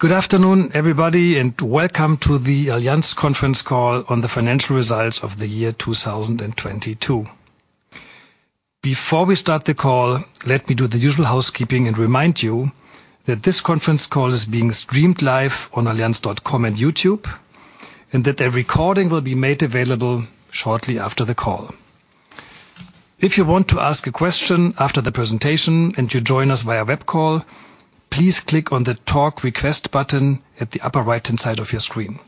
Good afternoon, everybody, and welcome to the Allianz conference call on the financial results of the year 2022. Before we start the call, let me do the usual housekeeping and remind you that this conference call is being streamed live on allianz.com and YouTube, and that a recording will be made available shortly after the call. If you want to ask a question after the presentation and you join us via web call, please click on the Talk Request button at the upper right-hand side of your screen.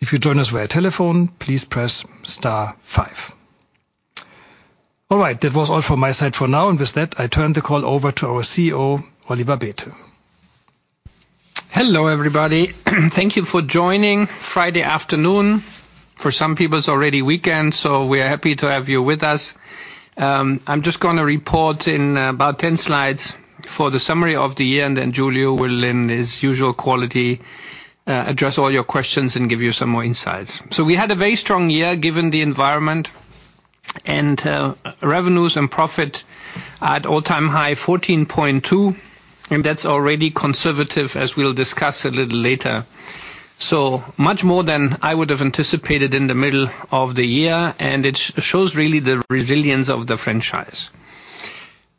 If you join us via telephone, please press star five. All right, that was all from my side for now. With that, I turn the call over to our CEO, Oliver Bäte. Hello, everybody. Thank you for joining Friday afternoon. For some people it's already weekend, so we are happy to have you with us. I'm just gonna report in about 10 slides for the summary of the year, and then Giulio will, in his usual quality, address all your questions and give you some more insights. We had a very strong year given the environment, and revenues and profit at all-time high 14.2, and that's already conservative, as we'll discuss a little later. Much more than I would have anticipated in the middle of the year, and it shows really the resilience of the franchise.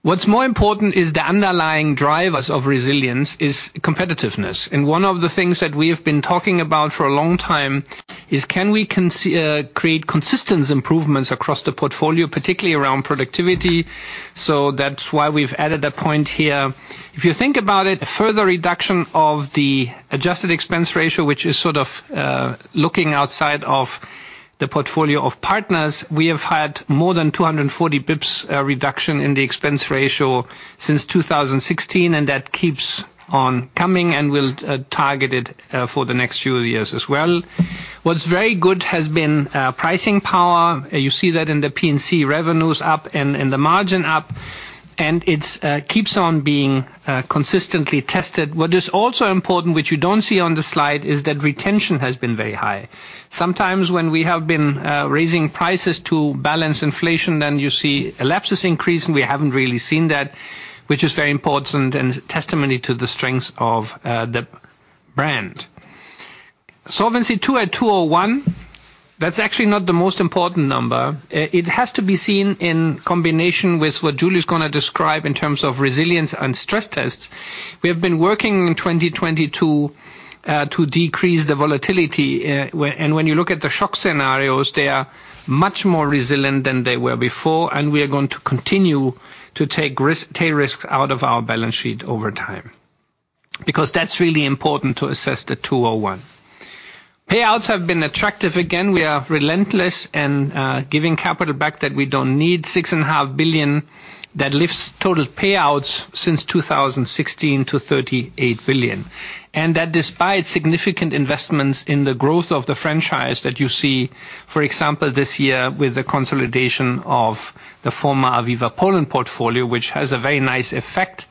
What's more important is the underlying drivers of resilience is competitiveness. One of the things that we have been talking about for a long time is can we create consistent improvements across the portfolio, particularly around productivity. That's why we've added a point here. If you think about it, a further reduction of the adjusted expense ratio, which is sort of, looking outside of the portfolio of partners, we have had more than 240 basis points reduction in the expense ratio since 2016, and that keeps on coming, and we'll target it for the next few years as well. What's very good has been pricing power. You see that in the P&C revenues up and the margin up, and it's keeps on being consistently tested. What is also important, which you don't see on the slide, is that retention has been very high. Sometimes when we have been raising prices to balance inflation, then you see lapses increase. We haven't really seen that, which is very important and testimony to the strength of the brand. Solvency II at 201%. That's actually not the most important number. It has to be seen in combination with what Giulio's gonna describe in terms of resilience and stress tests. We have been working in 2022 to decrease the volatility. When you look at the shock scenarios, they are much more resilient than they were before, and we are going to continue to take risks out of our balance sheet over time, because that's really important to assess the 201%. Payouts have been attractive again. We are relentless in giving capital back that we don't need. 6.5 billion. That lifts total payouts since 2016 to 38 billion. That despite significant investments in the growth of the franchise that you see, for example, this year with the consolidation of the former Aviva Poland portfolio, which has a very nice effect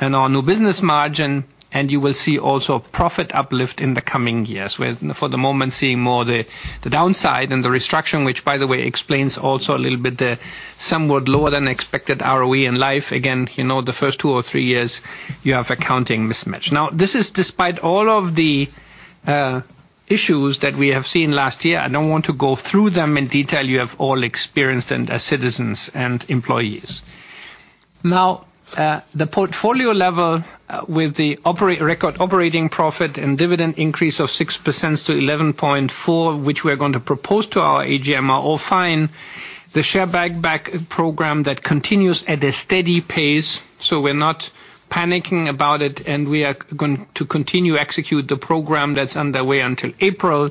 on our new business margin, and you will see also profit uplift in the coming years. We're, for the moment, seeing more the downside and the restructure, which by the way, explains also a little bit the somewhat lower than expected ROE in Life. Again, you know, the first two or three years you have accounting mismatch. This is despite all of the issues that we have seen last year. I don't want to go through them in detail. You have all experienced them as citizens and employees. The portfolio level with the record operating profit and dividend increase of 6% to 11.4, which we are going to propose to our AGM, are all fine. The share buyback program that continues at a steady pace, so we're not panicking about it, and we are going to continue execute the program that's underway until April.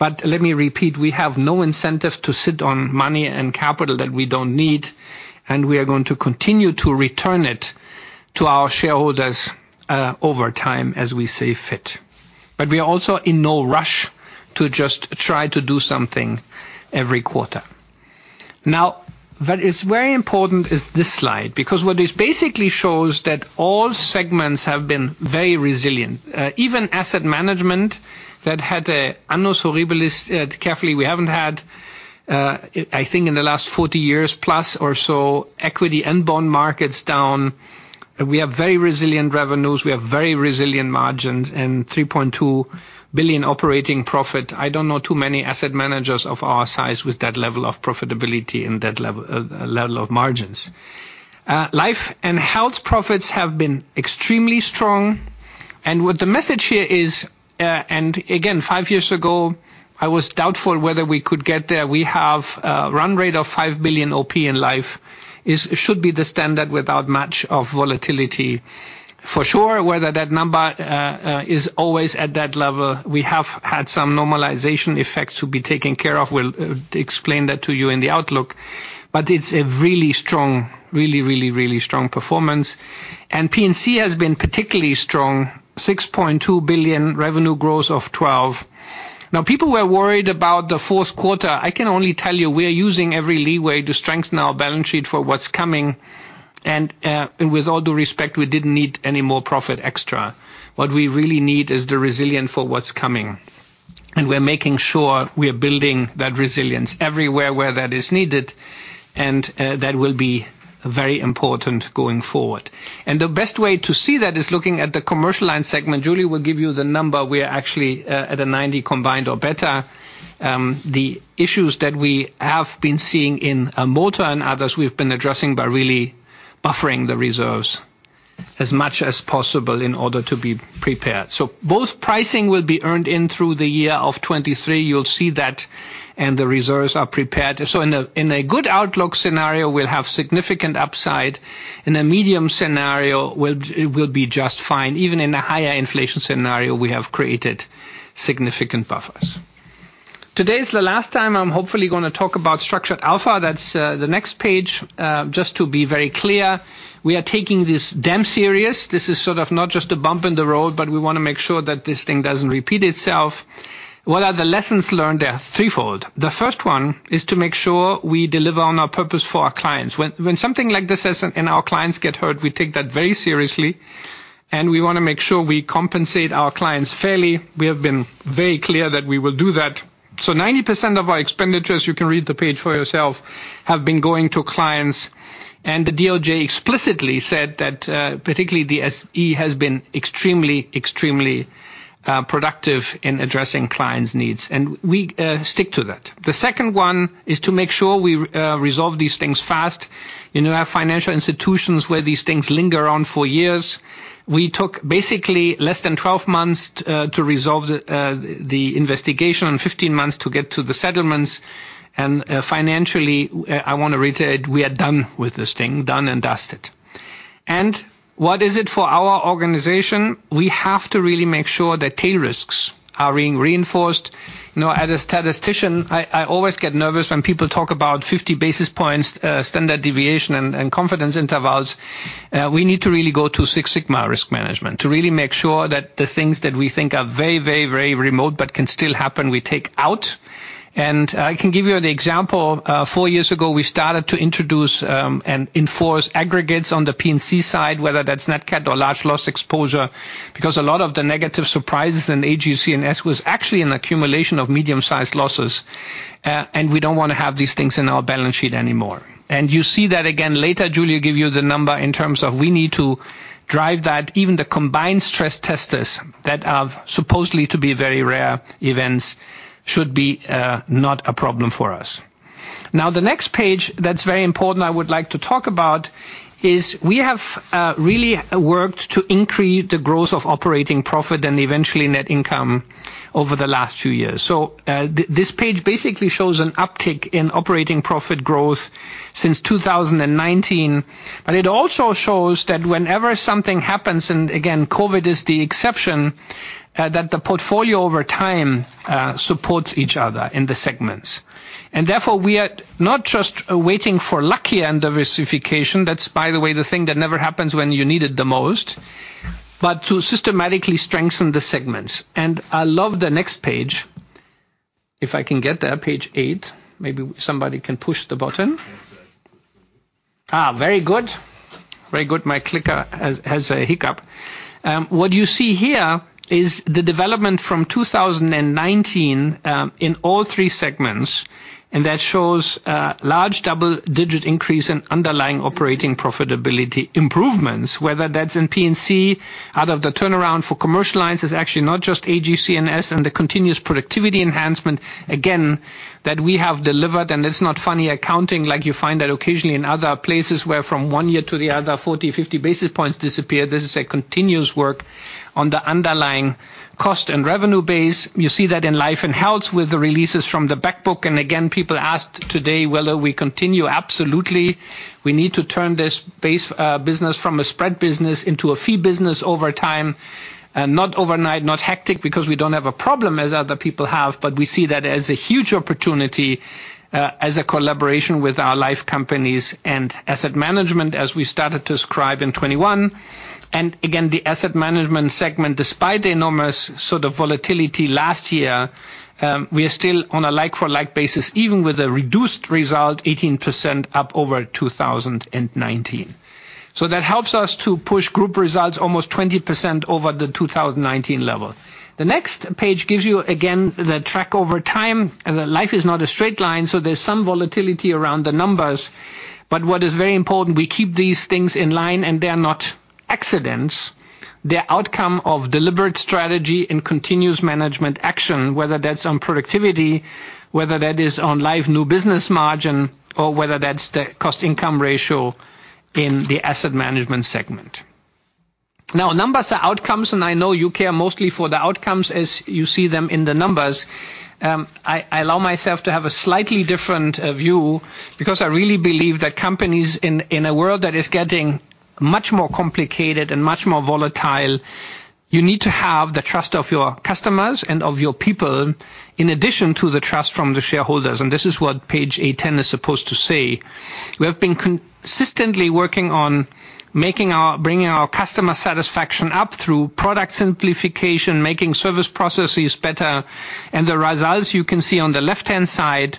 Let me repeat, we have no incentive to sit on money and capital that we don't need, and we are going to continue to return it to our shareholders over time as we see fit. We are also in no rush to just try to do something every quarter. What is very important is this slide, because what this basically shows that all segments have been very resilient. Even asset management that had a annus horribilis, carefully, we haven't had, I think in the last 40 years plus or so, equity and bond markets down. We have very resilient revenues, we have very resilient margins and 3.2 billion operating profit. I don't know too many asset managers of our size with that level of profitability and that level of margins. Life and Health profits have been extremely strong. What the message here is, and again, five years ago, I was doubtful whether we could get there. We have a run rate of 5 billion OP in Life. It should be the standard without much of volatility. For sure, whether that number is always at that level, we have had some normalization effects to be taken care of. We'll explain that to you in the outlook. It's a really strong, really, really, really strong performance. P&C has been particularly strong, 6.2 billion revenue growth of 12%. Now people were worried about the fourth quarter. I can only tell you we are using every leeway to strengthen our balance sheet for what's coming. With all due respect, we didn't need any more profit extra. What we really need is the resilience for what's coming. We're making sure we are building that resilience everywhere where that is needed, that will be very important going forward. The best way to see that is looking at the commercial line segment. Giulio will give you the number. We are actually at a 90% combined or better. The issues that we have been seeing in Motor and others, we've been addressing by really buffering the reserves as much as possible in order to be prepared. Both pricing will be earned in through the year of 23. You'll see that, and the reserves are prepared. In a good outlook scenario, we'll have significant upside. In a medium scenario, it will be just fine. Even in a higher inflation scenario, we have created significant buffers. Today's the last time I'm hopefully gonna talk about Structured Alpha. That's the next page. Just to be very clear, we are taking this damn serious. This is sort of not just a bump in the road, but we wanna make sure that this thing doesn't repeat itself. What are the lessons learned? They are threefold. The first one is to make sure we deliver on our purpose for our clients. When something like this happens and our clients get hurt, we take that very seriously, and we wanna make sure we compensate our clients fairly. We have been very clear that we will do that. 90% of our expenditures, you can read the page for yourself, have been going to clients. The DOJ explicitly said that particularly the SE has been extremely productive in addressing clients' needs. We stick to that. The second one is to make sure we resolve these things fast. You know our financial institutions where these things linger on for years. We took basically less than 12 months to resolve the investigation and 15 months to get to the settlements. Financially, I want to reiterate, we are done with this thing, done and dusted. What is it for our organization? We have to really make sure that tail risks are being reinforced. You know, as a statistician, I always get nervous when people talk about 50 basis points, standard deviation and confidence intervals. We need to really go to Six Sigma risk management to really make sure that the things that we think are very, very, very remote but can still happen, we take out. I can give you the example. Four years ago, we started to introduce and enforce aggregates on the P&C side, whether that's Nat Cat or large loss exposure, because a lot of the negative surprises in AGCS was actually an accumulation of medium-sized losses, and we don't want to have these things in our balance sheet anymore. You see that again later. Giulio give you the number in terms of we need to drive that. Even the combined stress testers that have supposedly to be very rare events should be not a problem for us. The next page that's very important I would like to talk about is we have really worked to increase the growth of operating profit and eventually net income over the last two years. This page basically shows an uptick in operating profit growth since 2019. It also shows that whenever something happens, and again, COVID is the exception, that the portfolio over time supports each other in the segments. Therefore, we are not just waiting for lucky and diversification. That's, by the way, the thing that never happens when you need it the most, but to systematically strengthen the segments. I love the next page. If I can get there, page 8. Maybe somebody can push the button. Very good. My clicker has a hiccup. What you see here is the development from 2019 in all three segments. That shows a large double-digit increase in underlying operating profitability improvements. Whether that's in P&C out of the turnaround for commercial lines, it's actually not just AGC&S and the continuous productivity enhancement, again, that we have delivered. It's not funny accounting like you find that occasionally in other places where from one year to the other, 40, 50 basis points disappear. This is a continuous work on the underlying cost and revenue base. You see that in life and health with the releases from the back book. Again, people asked today whether we continue. Absolutely. We need to turn this base business from a spread business into a fee business over time. Not overnight, not hectic, because we don't have a problem as other people have. We see that as a huge opportunity as a collaboration with our life companies and asset management as we started to scribe in 21. Again, the asset management segment, despite the enormous sort of volatility last year, we are still on a like for like basis, even with a reduced result, 18% up over 2019. That helps us to push group results almost 20% over the 2019 level. The next page gives you again the track over time. The life is not a straight line. There's some volatility around the numbers. What is very important, we keep these things in line, and they are not accidents. They're outcome of deliberate strategy and continuous management action, whether that's on productivity, whether that is on live new business margin, or whether that's the cost income ratio in the asset management segment. Numbers are outcomes, and I know you care mostly for the outcomes as you see them in the numbers. I allow myself to have a slightly different view because I really believe that companies in a world that is getting much more complicated and much more volatile, you need to have the trust of your customers and of your people in addition to the trust from the shareholders. This is what page 810 is supposed to say. We have been consistently working on bringing our customer satisfaction up through product simplification, making service processes better. The results you can see on the left-hand side.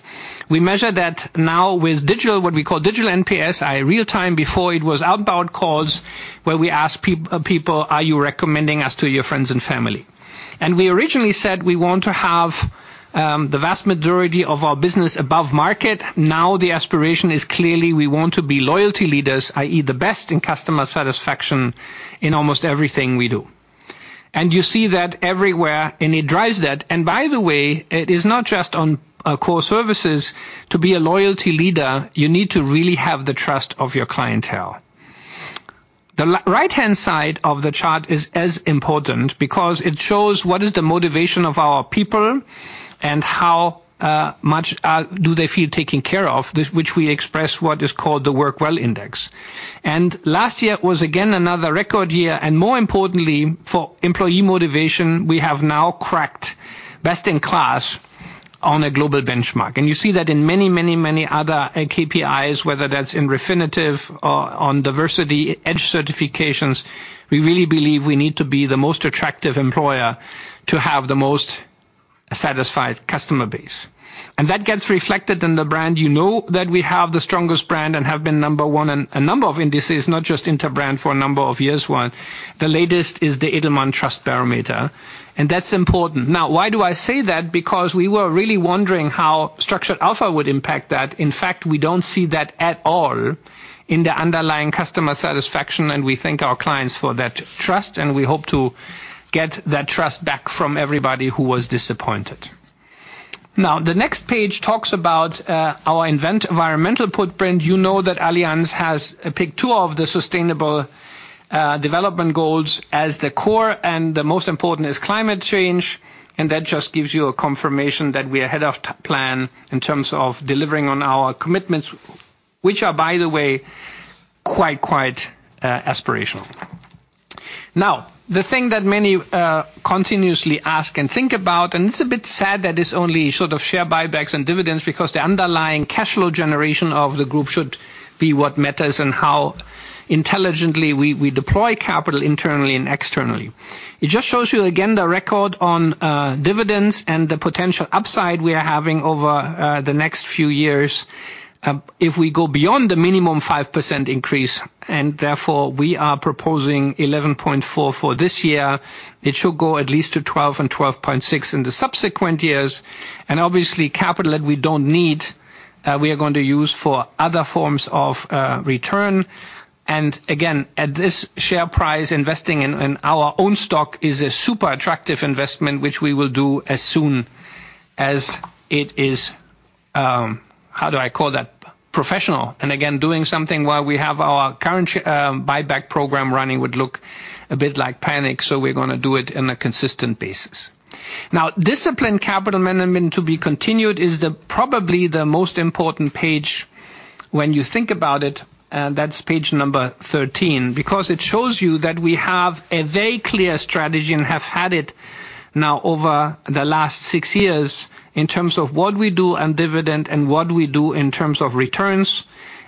We measure that now with digital, what we call digital NPS, i.e., real time. Before it was outbound calls, where we asked people, "Are you recommending us to your friends and family?" We originally said we want to have the vast majority of our business above market. Now the aspiration is clearly we want to be loyalty leaders, i.e. the best in customer satisfaction in almost everything we do. You see that everywhere, and it drives that. By the way, it is not just on core services. To be a loyalty leader, you need to really have the trust of your clientele. The right-hand side of the chart is as important because it shows what is the motivation of our people and how much do they feel taken care of, this which we express what is called the Work Well Index. Last year was again another record year, and more importantly, for employee motivation, we have now cracked best in class on a global benchmark. You see that in many other KPIs, whether that's in Refinitiv or on diversity EDGE certifications. We really believe we need to be the most attractive employer to have the most satisfied customer base. That gets reflected in the brand. You know that we have the strongest brand and have been number one in a number of indices, not just Interbrand for a number of years. one, the latest is the Edelman Trust Barometer. That's important. Why do I say that? We were really wondering how structured alpha would impact that. In fact, we don't see that at all in the underlying customer satisfaction. We thank our clients for that trust. We hope to get that trust back from everybody who was disappointed. The next page talks about our environmental footprint. You know that Allianz has picked two of the sustainable development goals as the core, and the most important is climate change, and that just gives you a confirmation that we are ahead of plan in terms of delivering on our commitments, which are, by the way, quite aspirational. The thing that many continuously ask and think about, and it's a bit sad that it's only sort of share buybacks and dividends because the underlying cash flow generation of the group should be what matters and how intelligently we deploy capital internally and externally. It just shows you again the record on dividends and the potential upside we are having over the next few years if we go beyond the minimum 5% increase, and therefore we are proposing 11.4 for this year. It should go at least to 12 and 12.6 in the subsequent years. Obviously capital that we don't need, we are going to use for other forms of return. Again, at this share price, investing in our own stock is a super attractive investment which we will do as soon as it is, how do I call that? Professional. Again, doing something while we have our current buyback program running would look a bit like panic. We're gonna do it in a consistent basis. Disciplined capital management to be continued is probably the most important page when you think about it, that's page number 13, because it shows you that we have a very clear strategy and have had it now over the last six years in terms of what we do on dividend and what we do in terms of returns.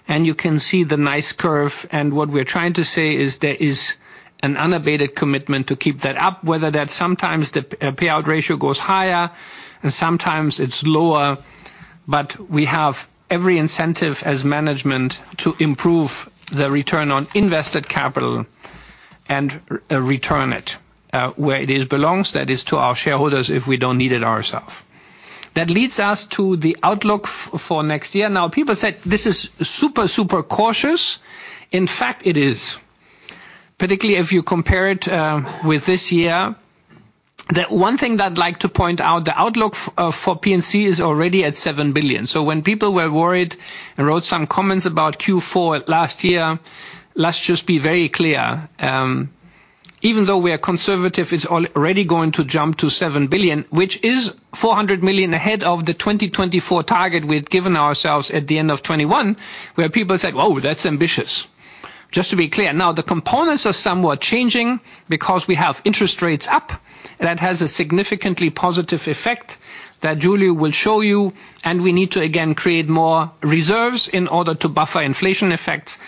You can see the nice curve, and what we're trying to say is there is an unabated commitment to keep that up, whether that's sometimes the payout ratio goes higher and sometimes it's lower. We have every incentive as management to improve the return on invested capital and return it, where it is belongs, that is to our shareholders, if we don't need it ourself. That leads us to the outlook for next year. People said this is super cautious. In fact, it is, particularly if you compare it with this year. The one thing I'd like to point out, the outlook for P&C is already at 7 billion. When people were worried and wrote some comments about Q4 last year, let's just be very clear, even though we are conservative, it's already going to jump to 7 billion, which is 400 million ahead of the 2024 target we had given ourselves at the end of 2021, where people said, "Oh, that's ambitious." Just to be clear, now the components are somewhat changing because we have interest rates up. That has a significantly positive effect that Giulio will show you. We need to again create more reserves in order to buffer inflation effects.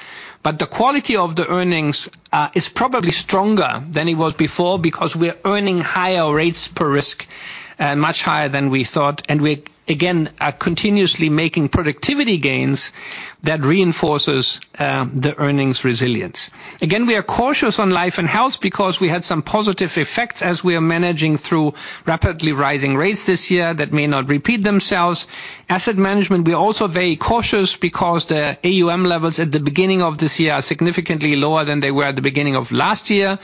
The quality of the earnings is probably stronger than it was before because we're earning higher rates per risk, much higher than we thought, and we again are continuously making productivity gains that reinforces the earnings resilience. Again, we are cautious on life and health because we had some positive effects as we are managing through rapidly rising rates this year that may not repeat themselves. Asset management, we are also very cautious because the AUM levels at the beginning of this year are significantly lower than they were at the beginning of last year,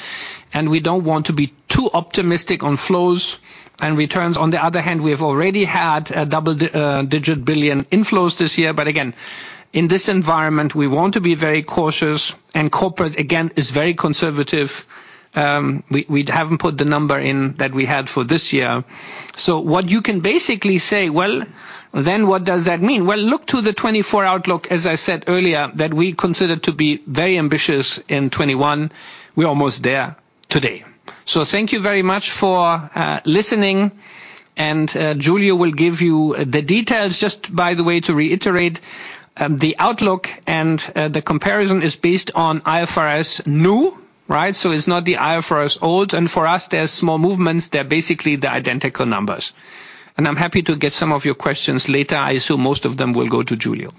and we don't want to be too optimistic on flows and returns. On the other hand, we have already had a double-digit billion EUR inflows this year. Again, in this environment, we want to be very cautious, and corporate again is very conservative. We haven't put the number in that we had for this year. What you can basically say, "Well, then what does that mean?" Well, look to the 2024 outlook, as I said earlier, that we considered to be very ambitious in 2021. We're almost there today. Thank you very much for listening, and Giulio will give you the details. Just by the way to reiterate the outlook and the comparison is based on IFRS new, right? It's not the IFRS old. For us, they're small movements. They're basically the identical numbers. I'm happy to get some of your questions later. I assume most of them will go to Giulio.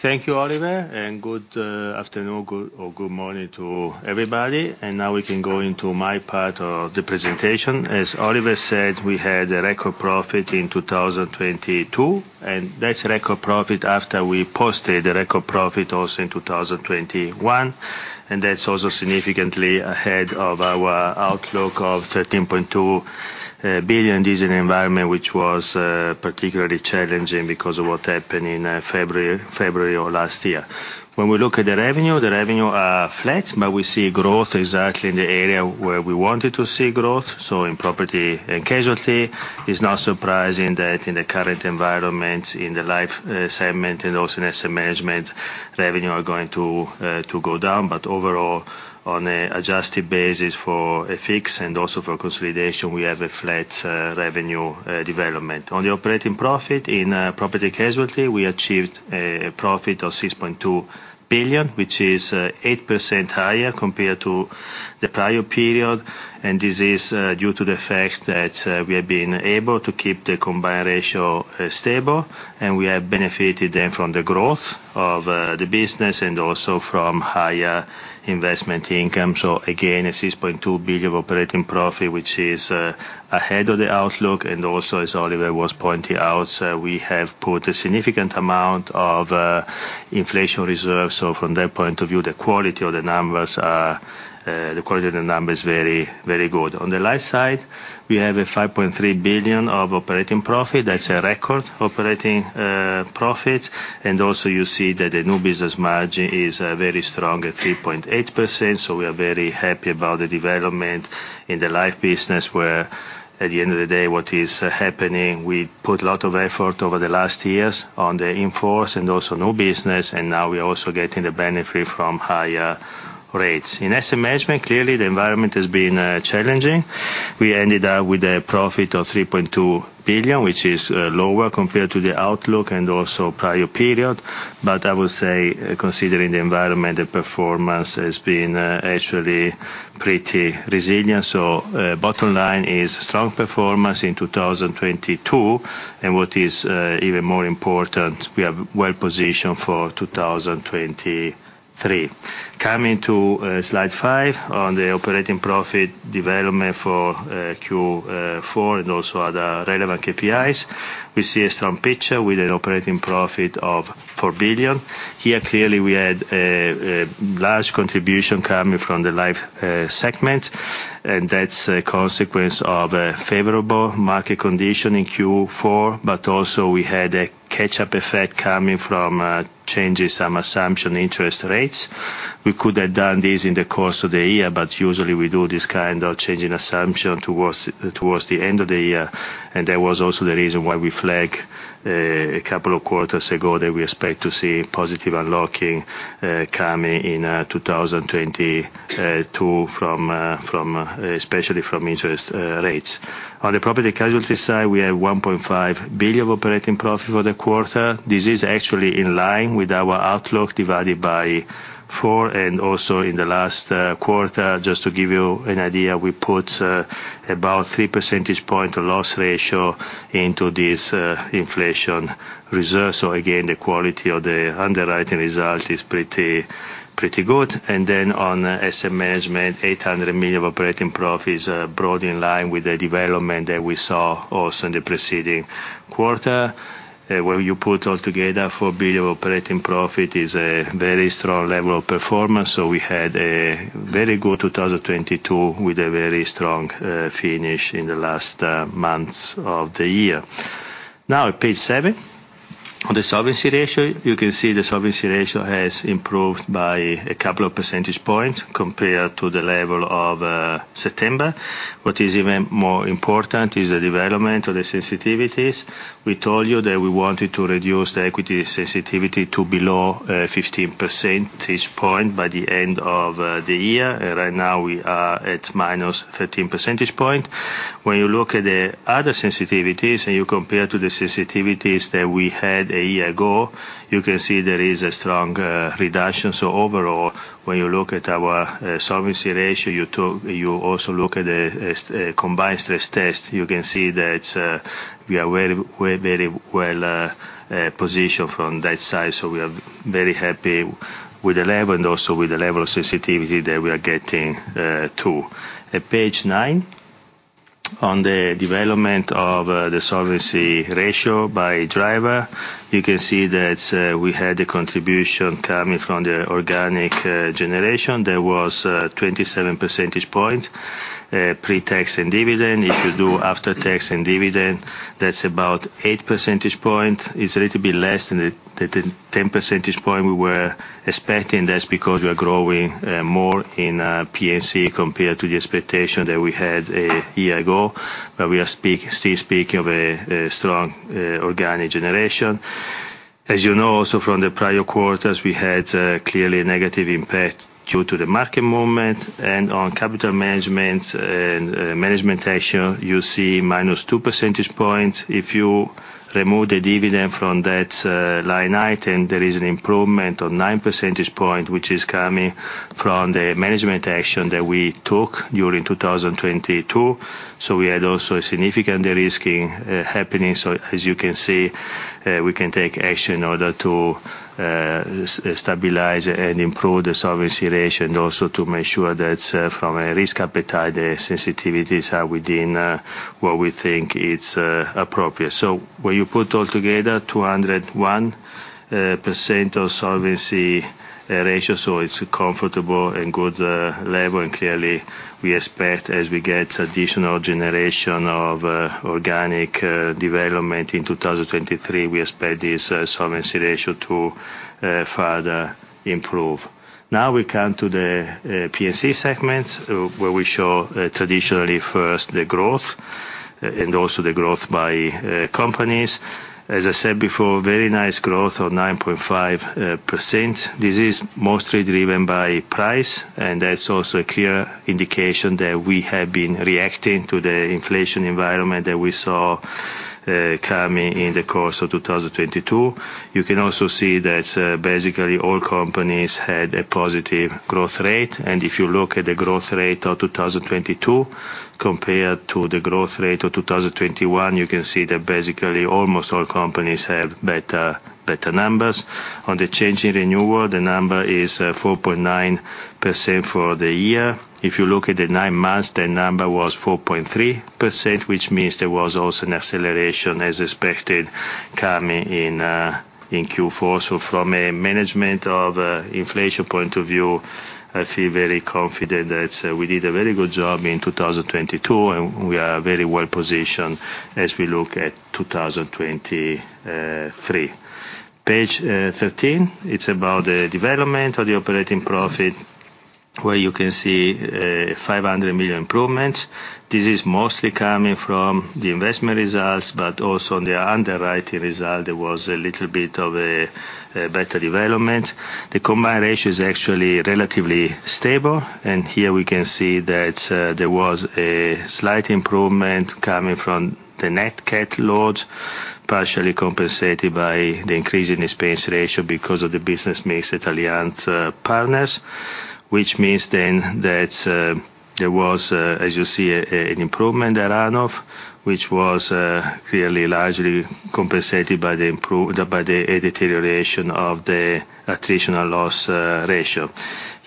Thank you, Oliver, good afternoon or good morning to everybody. Now we can go into my part of the presentation. As Oliver said, we had a record profit in 2022, that's record profit after we posted a record profit also in 2021. That's also significantly ahead of our outlook of 13.2 billion. This is an environment which was particularly challenging because of what happened in February of last year. When we look at the revenue, the revenue are flat, we see growth exactly in the area where we wanted to see growth. In Property and Casualty, it's not surprising that in the current environment, in the life segment and also in asset management, revenue are going to go down. Overall, on an adjusted basis for FX and also for consolidation, we have a flat revenue development. On the operating profit in property casualty, we achieved a profit of 6.2 billion, which is 8% higher compared to the prior period. This is due to the fact that we have been able to keep the combined ratio stable, and we have benefited then from the growth of the business and also from higher investment income. Again, a 6.2 billion operating profit, which is ahead of the outlook. Also, as Oliver was pointing out, we have put a significant amount of inflation reserves. From that point of view, the quality of the number is very, very good. On the life side, we have a 5.3 billion of operating profit. That's a record operating profit. You see that the new business margin is very strong at 3.8%. We are very happy about the development in the life business where at the end of the day, what is happening, we put a lot of effort over the last years on the in-force and also new business, and now we are also getting the benefit from higher rates. In asset management, clearly the environment has been challenging. We ended up with a profit of 3.2 billion, which is lower compared to the outlook and also prior period. I would say considering the environment, the performance has been actually pretty resilient. Bottom line is strong performance in 2022, and what is even more important, we are well-positioned for 2023. Coming to slide five on the operating profit development for Q4 and also other relevant KPIs. We see a strong picture with an operating profit of 4 billion. Here, clearly we had a large contribution coming from the life segment, and that's a consequence of a favorable market condition in Q4. Also we had a catch-up effect coming from changing some assumption interest rates. We could have done this in the course of the year, but usually we do this kind of changing assumption towards the end of the year. That was also the reason why we flag a couple of quarters ago that we expect to see positive unlocking coming in 2022 from especially from interest rates. On the Property and Casualty side, we have 1.5 billion of operating profit for the quarter. This is actually in line with our outlook divided by four and also in the last quarter. Just to give you an idea, we put about three percentage point loss ratio into this inflation reserve. Again, the quality of the underwriting result is pretty good. On Asset Management, 800 million of operating profit is broadly in line with the development that we saw also in the preceding quarter. When you put all together, 4 billion operating profit is a very strong level of performance. We had a very good 2022 with a very strong finish in the last months of the year. Now page seven. On the solvency ratio, you can see the solvency ratio has improved by a couple of percentage points compared to the level of September. What is even more important is the development of the sensitivities. We told you that we wanted to reduce the equity sensitivity to below 15 percentage point by the end of the year. Right now we are at -13 percentage point. When you look at the other sensitivities and you compare to the sensitivities that we had a year ago, you can see there is a strong reduction. Overall, when you look at our solvency ratio, you also look at combined stress test, you can see that we are very well positioned from that side. We are very happy with the level and also with the level of sensitivity that we are getting too. At page nine, on the development of the solvency ratio by driver, you can see that we had a contribution coming from the organic generation. There was 27 percentage point pre-tax and dividend. If you do after-tax and dividend, that's about eight percentage point. It's a little bit less than the 10 percentage point we were expecting. That's because we are growing more in P&C compared to the expectation that we had a year ago. We are still speaking of a strong organic generation. As you know, also from the prior quarters, we had clearly a negative impact due to the market movement and on capital management and management action, you see -2 percentage point. If you remove the dividend from that line item, there is an improvement of nine percentage point, which is coming from the management action that we took during 2022. We had also a significant de-risking happening. As you can see, we can take action in order to stabilize and improve the solvency ratio and also to make sure that from a risk appetite, the sensitivities are within what we think it's appropriate. When you put all together 201% of solvency ratio, so it's a comfortable and good level. Clearly we expect as we get additional generation of organic development in 2023, we expect this solvency ratio to further improve. We come to the P&C segment where we show traditionally first the growth and also the growth by companies. As I said before, very nice growth of 9.5%. This is mostly driven by price, and that's also a clear indication that we have been reacting to the inflation environment that we saw coming in the course of 2022. You can also see that basically all companies had a positive growth rate. If you look at the growth rate of 2022 compared to the growth rate of 2021, you can see that basically almost all companies have better numbers. On the change in renewal, the number is 4.9% for the year. If you look at the nine months, the number was 4.3%, which means there was also an acceleration as expected coming in in Q4. From a management of inflation point of view, I feel very confident that we did a very good job in 2022, and we are very well positioned as we look at 2023. Page 13, it's about the development of the operating profit, where you can see 500 million improvement. This is mostly coming from the investment results, also in the underwriting result, there was a little bit of a better development. The combined ratio is actually relatively stable. Here we can see that there was a slight improvement coming from the Nat Cat load, partially compensated by the increase in expense ratio because of the business mix at Allianz Partners. Which means then that there was, as you see, an improvement, a run-off, which was clearly largely compensated by the deterioration of the attritional loss ratio.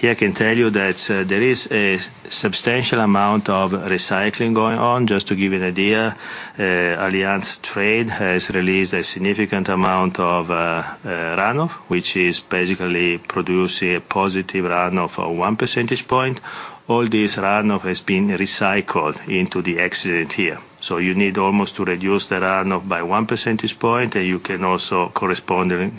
Here, I can tell you that there is a substantial amount of recycling going on. Just to give you an idea, Allianz Trade has released a significant amount of run-off, which is basically producing a positive run-off of one percentage point. All this run-off has been recycled into the excellent year. You need almost to reduce the run-off by one percentage point, and you can also correspondingly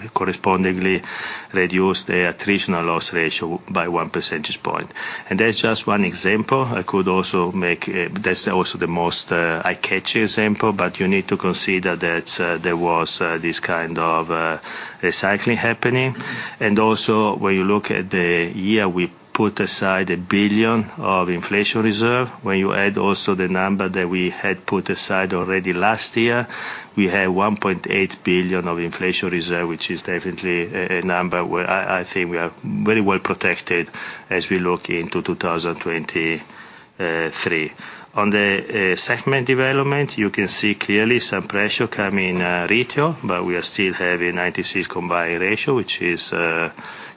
reduce the attritional loss ratio by one percentage point. That's just one example. I could also make, that's also the most eye-catchy example, but you need to consider that there was this kind of recycling happening. Also, when you look at the year, we put aside 1 billion of inflation reserve. When you add also the number that we had put aside already last year, we had 1.8 billion of inflation reserve, which is definitely a number where I think we are very well protected as we look into 2023. On the segment development, you can see clearly some pressure coming retail, but we are still having 96 combined ratio, which is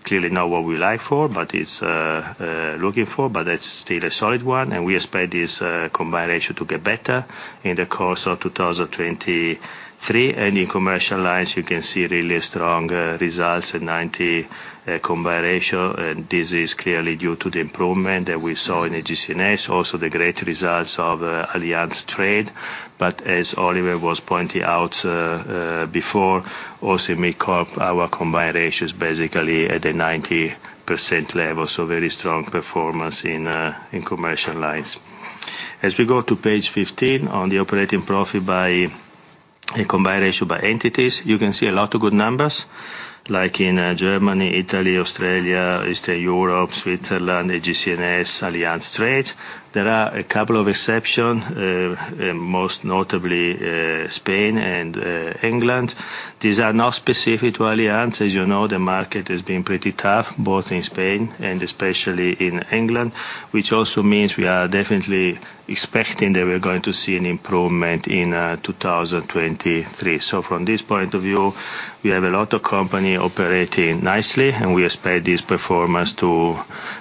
clearly not what we like for, but it's looking for, but that's still a solid one, and we expect this combined ratio to get better in the course of 2023. In commercial lines, you can see really strong results at 90 combined ratio, and this is clearly due to the improvement that we saw in AGCS, also the great results of Allianz Trade. As Oliver was pointing out before, also MidCorp, our combined ratio is basically at a 90% level. Very strong performance in commercial lines. As we go to page 15 on the operating profit by a combined ratio by entities, you can see a lot of good numbers like in Germany, Italy, Australia, Eastern Europe, Switzerland, AGCS, Allianz Trade. There are a couple of exception, most notably Spain and England. These are not specific to Allianz. As you know, the market has been pretty tough, both in Spain and especially in England, which also means we are definitely expecting that we're going to see an improvement in 2023. From this point of view, we have a lot of company operating nicely, and we expect this performance to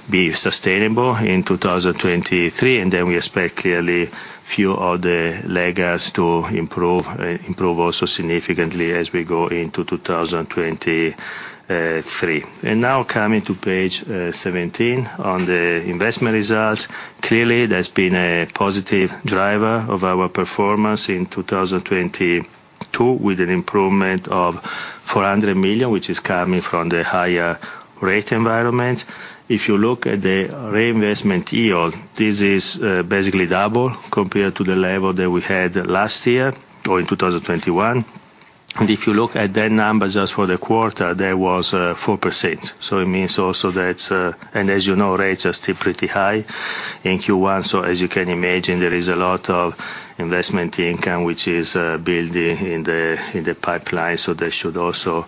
be sustainable in 2023, and then we expect clearly few other laggards to improve significantly as we go into 2023. Now coming to page 17 on the investment results. Clearly, there's been a positive driver of our performance in 2022 with an improvement of 400 million, which is coming from the higher rate environment. If you look at the reinvestment yield, this is basically double compared to the level that we had last year or in 2021. If you look at that number just for the quarter, that was 4%. It means also that, and as you know, rates are still pretty high in Q1. As you can imagine, there is a lot of investment income which is building in the pipeline. That should also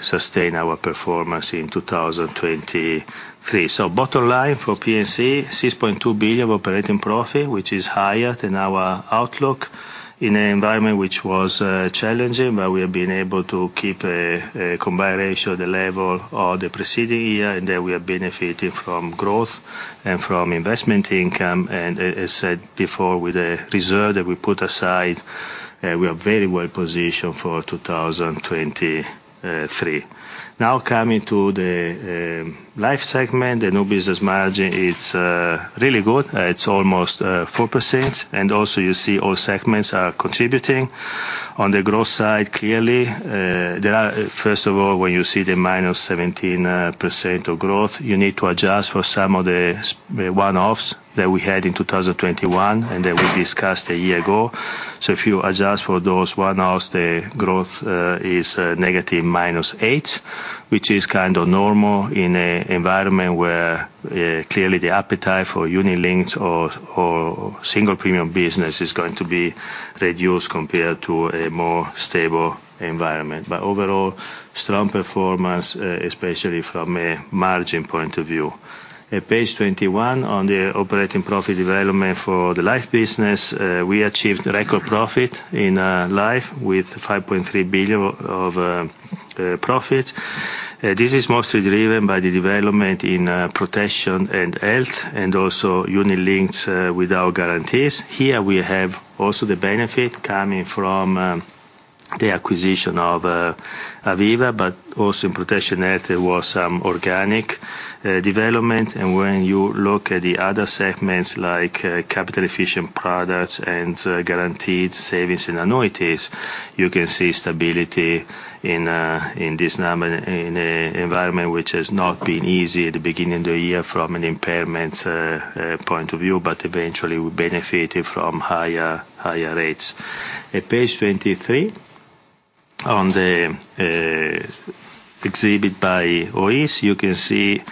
sustain our performance in 2023. Bottom line for P&C, 6.2 billion operating profit, which is higher than our outlook in an environment which was challenging. We have been able to keep a combined ratio of the level of the preceding year, we are benefiting from growth and from investment income. As said before, with the reserve that we put aside, we are very well positioned for 2023. Now coming to the life segment, the new business margin, it's really good. It's almost 4%. Also you see all segments are contributing. On the growth side, clearly, there are, first of all, when you see the -17% of growth, you need to adjust for some of the one-offs that we had in 2021, and that we discussed a year ago. If you adjust for those one-offs, the growth is negative minus 8%, which is kind of normal in an environment where clearly the appetite for unit-linked or single premium business is going to be reduced compared to a more stable environment. Overall, strong performance, especially from a margin point of view. At page 21 on the operating profit development for the life business, we achieved record profit in life with 5.3 billion of profit. This is mostly driven by the development in protection and health and also unlinked without guarantees. Here we have also the benefit coming from the acquisition of Aviva, but also in protection health, there was some organic development. When you look at the other segments like capital efficient products and guaranteed savings and annuities, you can see stability in this in an environment which has not been easy at the beginning of the year from an impairment point of view, but eventually we benefited from higher rates. At page 23 on the exhibit by OIS, you can see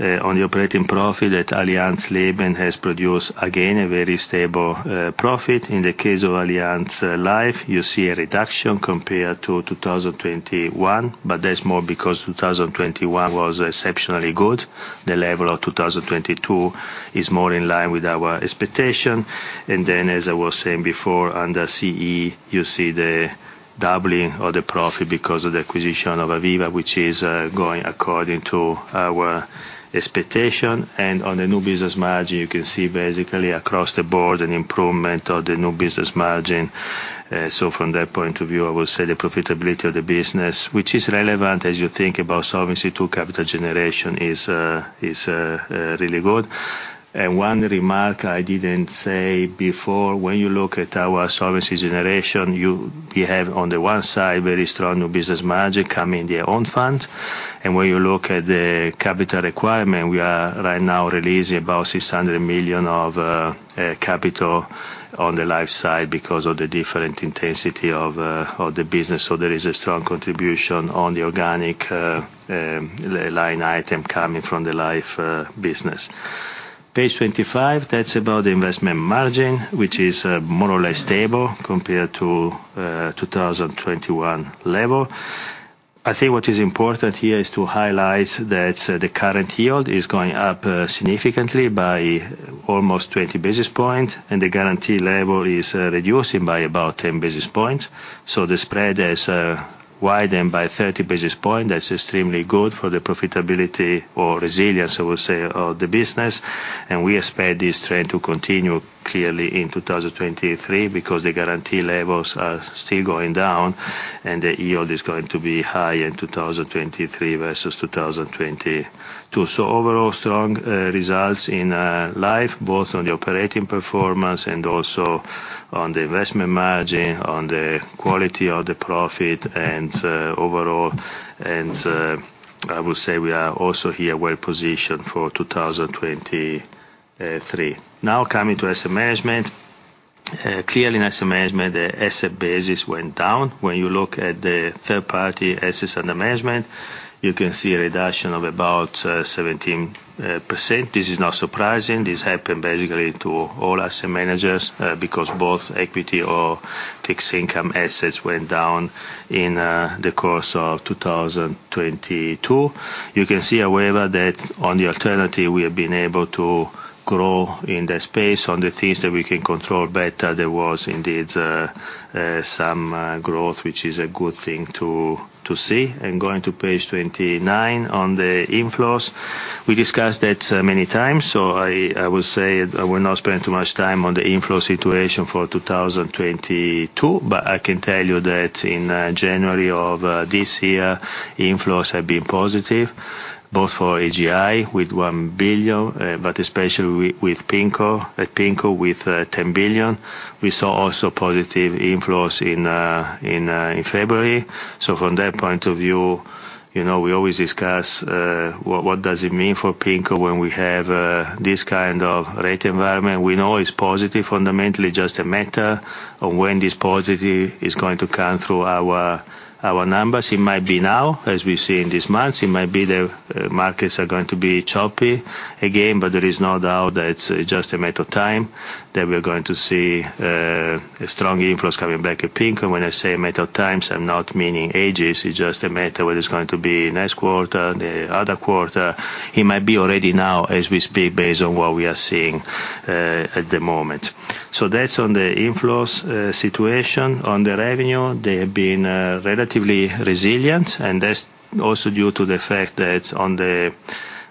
on the operating profit that Allianz Leben has produced again a very stable profit. In the case of Allianz Life, you see a reduction compared to 2021, but that's more because 2021 was exceptionally good. The level of 2022 is more in line with our expectation. As I was saying before, under CE, you see the doubling of the profit because of the acquisition of Aviva, which is going according to our expectation. On the new business margin, you can see basically across the board an improvement of the new business margin. From that point of view, I would say the profitability of the business, which is relevant as you think about Solvency II capital generation is really good. One remark I didn't say before, when you look at our Solvency generation, we have on the one side very strong new business margin coming their own fund. When you look at the capital requirement, we are right now releasing about 600 million of capital on the life side because of the different intensity of the business. There is a strong contribution on the organic line item coming from the life business. Page 25, that's about investment margin, which is more or less stable compared to 2021 level. I think what is important here is to highlight that the current yield is going up significantly by almost 20 basis points, and the guarantee level is reducing by about 10 basis points. The spread has widened by 30 basis point. That's extremely good for the profitability or resilience, I would say, of the business. We expect this trend to continue clearly in 2023 because the guarantee levels are still going down and the yield is going to be high in 2023 versus 2022. Overall, strong results in life, both on the operating performance and also on the investment margin, on the quality of the profit and overall. I would say we are also here well-positioned for 2023. Now coming to asset management. Clearly in asset management, the asset basis went down. When you look at the third party assets under management, you can see a reduction of about 17%. This is not surprising. This happened basically to all asset managers, because both equity or fixed income assets went down in the course of 2022. You can see however that on the alternative, we have been able to grow in that space. On the things that we can control better, there was indeed some growth, which is a good thing to see. Going to page 29 on the inflows. We discussed that many times, so I will not spend too much time on the inflow situation for 2022. I can tell you that in January of this year, inflows have been positive, both for AGI with 1 billion, but especially with PIMCO, at PIMCO, with 10 billion. We saw also positive inflows in February. From that point of view. You know, we always discuss what does it mean for PIMCO when we have this kind of rate environment. We know it's positive fundamentally, just a matter of when this positive is going to come through our numbers. It might be now, as we see in this month. It might be the markets are going to be choppy again, but there is no doubt that it's just a matter of time that we're going to see a strong inflows coming back at PIMCO. When I say a matter of time, I'm not meaning ages. It's just a matter of whether it's going to be next quarter, the other quarter. It might be already now as we speak, based on what we are seeing at the moment. So that's on the inflows situation. On the revenue, they have been relatively resilient, and that's also due to the fact that on the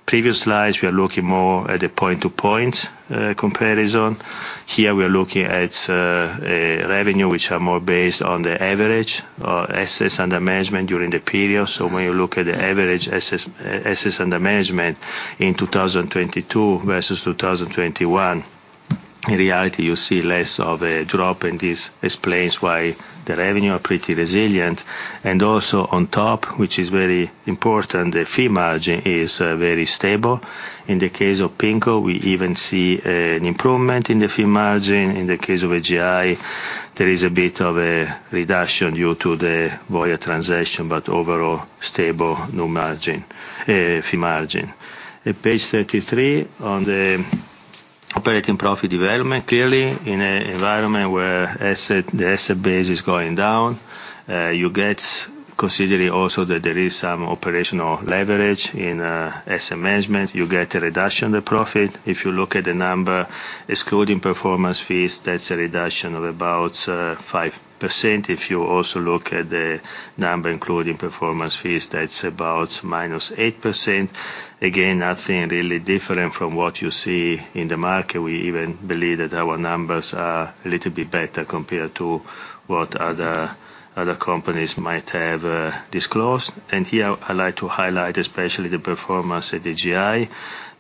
previous slides, we are looking more at the point-to-point comparison. Here, we are looking at a revenue which are more based on the average assets under management during the period. When you look at the average assets under management in 2022 versus 2021, in reality, you see less of a drop, and this explains why the revenue are pretty resilient. Also on top, which is very important, the fee margin is very stable. In the case of PIMCO, we even see an improvement in the fee margin. In the case of AGI, there is a bit of a reduction due to the Voya transaction, but overall stable no margin, fee margin. At page 33 on the operating profit development, clearly in a environment where the asset base is going down, you get considering also that there is some operational leverage in asset management, you get a reduction in the profit. If you look at the number excluding performance fees, that's a reduction of about 5%. If you also look at the number including performance fees, that's about -8%. Nothing really different from what you see in the market. We even believe that our numbers are a little bit better compared to what other companies might have disclosed. Here, I'd like to highlight especially the performance at AGI,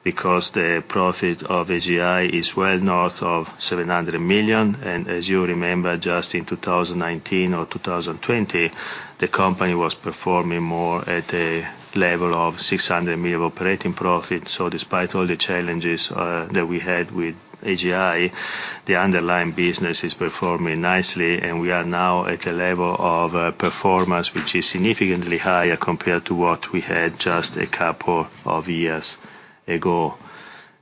because the profit of AGI is well north of 700 million. As you remember, just in 2019 or 2020, the company was performing more at a level of 600 million operating profit. Despite all the challenges that we had with AGI, the underlying business is performing nicely, and we are now at a level of performance which is significantly higher compared to what we had just a couple of years ago.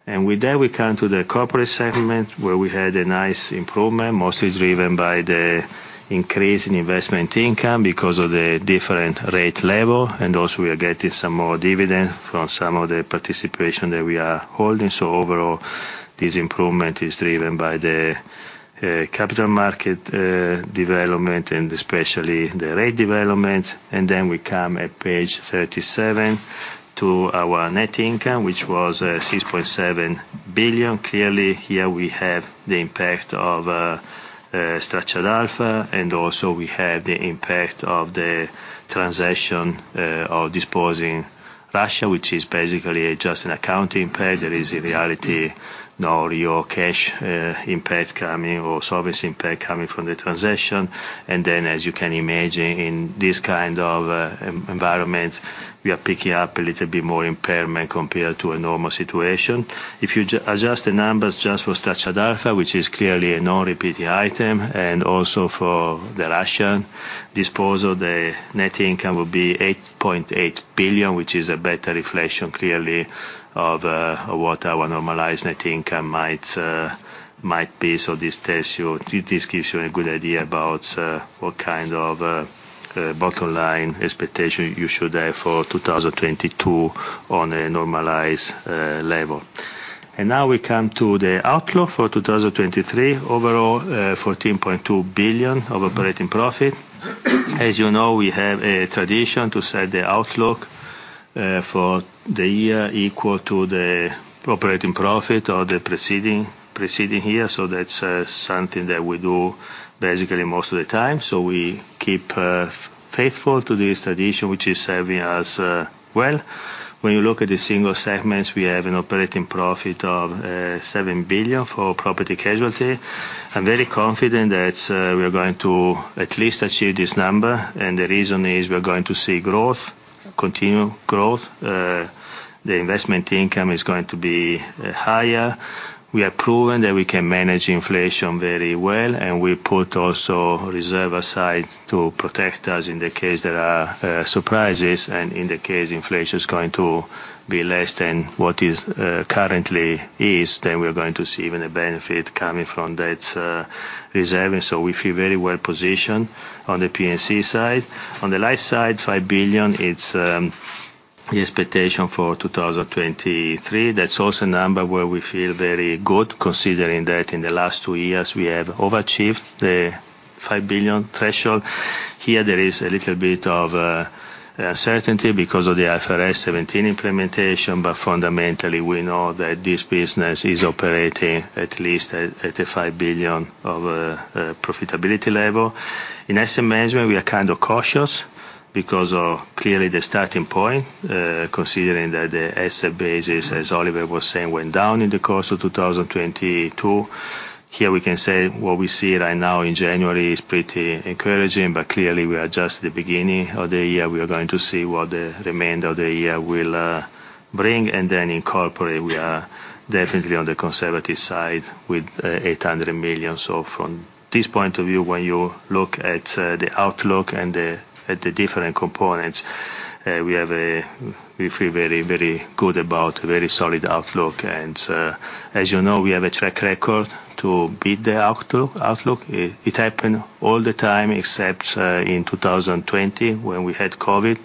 With that, we come to the corporate segment, where we had a nice improvement, mostly driven by the increase in investment income because of the different rate level. Also we are getting some more dividend from some of the participation that we are holding. Overall, this improvement is driven by the capital market development and especially the rate development. Then we come at page 37 to our net income, which was 6.7 billion. Clearly, here we have the impact of Structured Alpha, and also we have the impact of the transaction of disposing Russia, which is basically just an accounting impact. There is in reality no real cash impact coming or service impact coming from the transaction. As you can imagine, in this kind of environment, we are picking up a little bit more impairment compared to a normal situation. If you adjust the numbers just for Structured Alpha, which is clearly a non-repeating item, and also for the Russian disposal, the net income will be 8.8 billion, which is a better reflection, clearly, of what our normalized net income might be. This tells you, this gives you a good idea about what kind of bottom line expectation you should have for 2022 on a normalized level. We come to the outlook for 2023. Overall, 14.2 billion of operating profit. As you know, we have a tradition to set the outlook for the year equal to the operating profit or the preceding year. That's something that we do basically most of the time. We keep faithful to this tradition, which is serving us well. When you look at the single segments, we have an operating profit of 7 billion for property casualty. I'm very confident that we are going to at least achieve this number, and the reason is we are going to see growth, continued growth. The investment income is going to be higher. We have proven that we can manage inflation very well, and we put also reserve aside to protect us in the case there are surprises. In the case inflation is going to be less than what is currently is, then we are going to see even a benefit coming from that reserve. We feel very well positioned on the P&C side. On the life side, 5 billion, it's the expectation for 2023. That's also a number where we feel very good, considering that in the last two years we have overachieved the 5 billion threshold. Here there is a little bit of uncertainty because of the IFRS 17 implementation. Fundamentally, we know that this business is operating at least at a 5 billion of profitability level. In asset management, we are kind of cautious because of clearly the starting point, considering that the asset base, as Oliver was saying, went down in the course of 2022. Here we can say what we see right now in January is pretty encouraging. Clearly, we are just the beginning of the year. We are going to see what the remainder of the year will bring and then incorporate. We are definitely on the conservative side with 800 million. From this point of view, when you look at the outlook and the, at the different components, we feel very, very good about very solid outlook. As you know, we have a track record to beat the out-outlook. It happen all the time except in 2020 when we had COVID.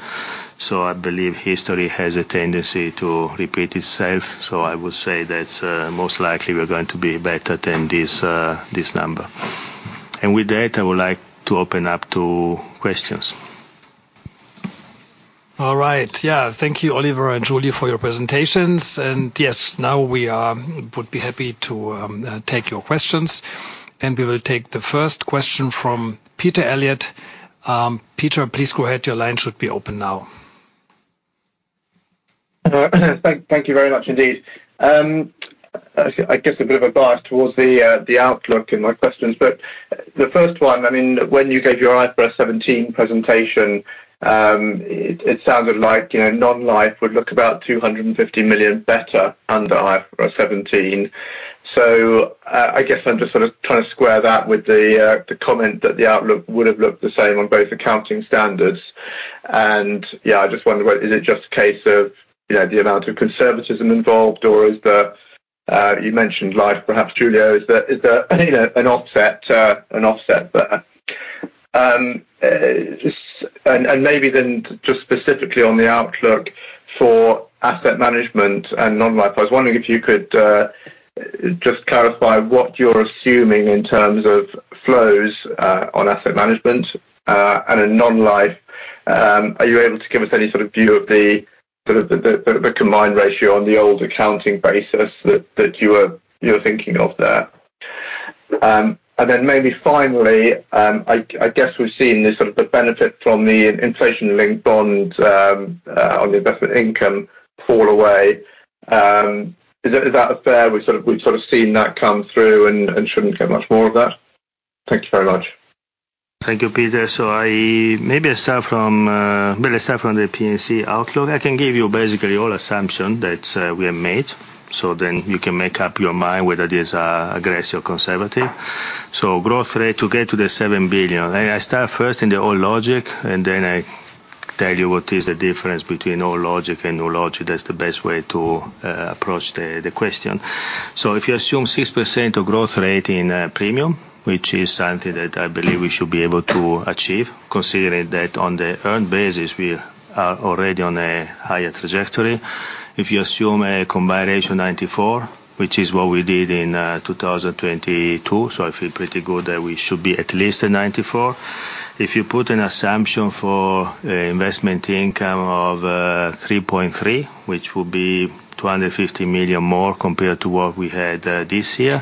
I believe history has a tendency to repeat itself. I would say that most likely we are going to be better than this number. With that, I would like to open up to questions. All right. Yeah. Thank you, Oliver and Giulio, for your presentations. Yes, now we would be happy to take your questions. We will take the first question from Peter Elliott. Peter, please go ahead. Your line should be open now. Hello. Thank you very much indeed. I guess a bit of a bias towards the outlook in my questions, but the first one, I mean, when you gave your IFRS 17 presentation, it sounded like, you know, non-life would look about 250 million better under IFRS 17. I guess I'm just sort of trying to square that with the comment that the outlook would have looked the same on both accounting standards. Yeah, I just wonder what? Is it just a case of, you know, the amount of conservatism involved, or is there? You mentioned life, perhaps Giulio, is there, you know, an offset there? Maybe then just specifically on the outlook for asset management and non-life, I was wondering if you could just clarify what you're assuming in terms of flows on asset management and in non-life. Are you able to give us any sort of view of the sort of the combined ratio on the old accounting basis that you are, you're thinking of there? Then maybe finally, I guess we've seen the sort of the benefit from the inflation-linked bond on the investment income fall away. Is that a fair? We've sort of seen that come through and shouldn't get much more of that. Thank you very much. Thank you, Peter. I maybe start from the P&C outlook. I can give you basically all assumption that we have made, then you can make up your mind whether it is aggressive or conservative. Growth rate to get to the 7 billion. I start first in the old logic, I tell you what is the difference between old logic and new logic. That's the best way to approach the question. If you assume 6% of growth rate in premium, which is something that I believe we should be able to achieve, considering that on the earned basis, we are already on a higher trajectory. If you assume a combined ratio 94, which is what we did in 2022, so I feel pretty good that we should be at least a 94. If you put an assumption for investment income of 3.3, which will be 250 million more compared to what we had this year,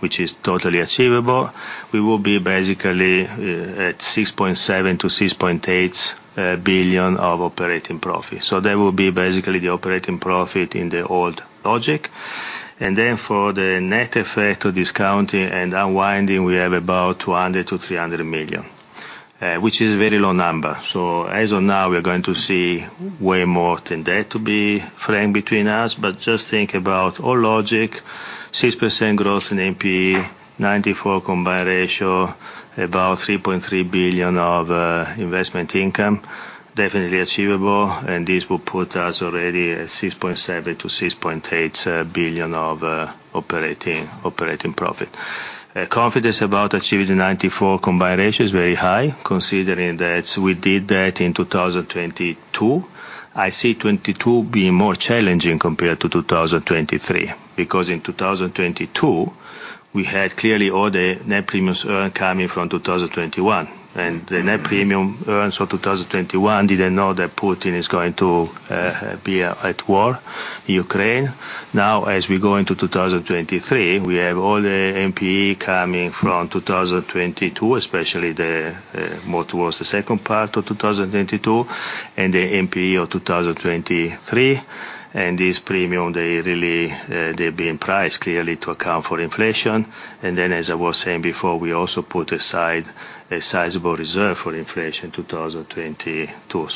which is totally achievable, we will be basically at 6.7 billion-6.8 billion of operating profit. That will be basically the operating profit in the old logic. For the net effect of discounting and unwinding, we have about 200 million-300 million, which is very low number. As of now, we are going to see way more than that to be framed between us. Just think about all logic, 6% growth in NPE, 94 combined ratio, about 3.3 billion of investment income, definitely achievable, and this will put us already at 6.7 billion-6.8 billion of operating profit. Confidence about achieving the 94 combined ratio is very high, considering that we did that in 2022. I see 2022 being more challenging compared to 2023, because in 2022, we had clearly all the net premiums earned coming from 2021. The net premium earned for 2021 didn't know that Putin is going to be at war in Ukraine. As we go into 2023, we have all the NPE coming from 2022, especially the more towards the second part of 2022, and the NPE of 2023. This premium, they really, they're being priced clearly to account for inflation. As I was saying before, we also put aside a sizable reserve for inflation in 2022.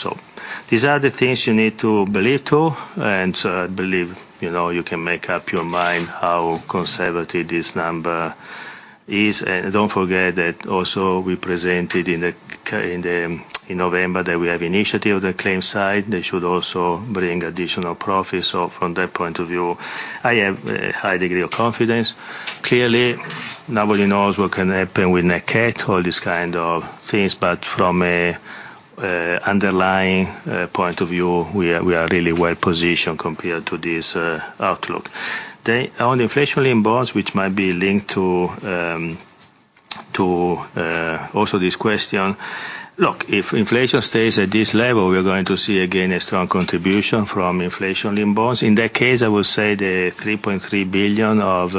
These are the things you need to believe to, and so I believe, you know, you can make up your mind how conservative this number is. Don't forget that also we presented in the, in November that we have initiative, the claim side. They should also bring additional profits. From that point of view, I have a high degree of confidence. Clearly, nobody knows what can happen with NatCat, all these kind of things, but from a underlying point of view, we are really well positioned compared to this outlook. On inflation-linked bonds, which might be linked to also this question. Look, if inflation stays at this level, we are going to see again a strong contribution from inflation-linked bonds. In that case, I will say the 3.3 billion of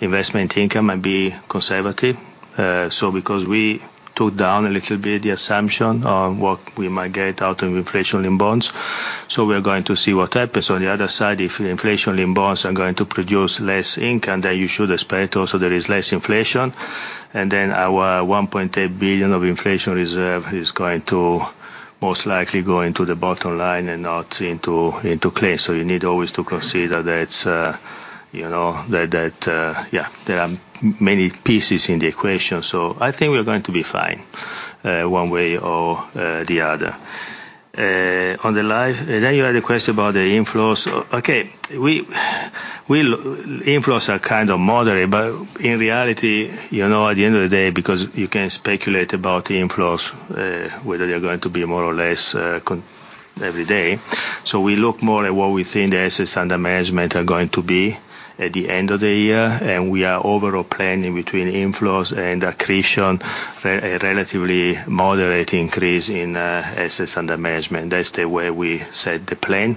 investment income might be conservative. Because we took down a little bit the assumption on what we might get out of inflation in bonds. So we are going to see what happens. On the other side, if inflation-linked bonds are going to produce less income, then you should expect also there is less inflation. Our 1.8 billion of inflation reserve is going to most likely go into the bottom line and not into claim. You need always to consider that, you know, that, yeah, there are many pieces in the equation. I think we're going to be fine one way or the other. You had a question about the inflows. Okay. We inflows are kind of moderate, but in reality, you know, at the end of the day, because you can speculate about the inflows, whether they're going to be more or less every day. We look more at what we think the assets under management are going to be at the end of the year, and we are overall planning between inflows and accretion relatively moderate increase in assets under management. That's the way we set the plan.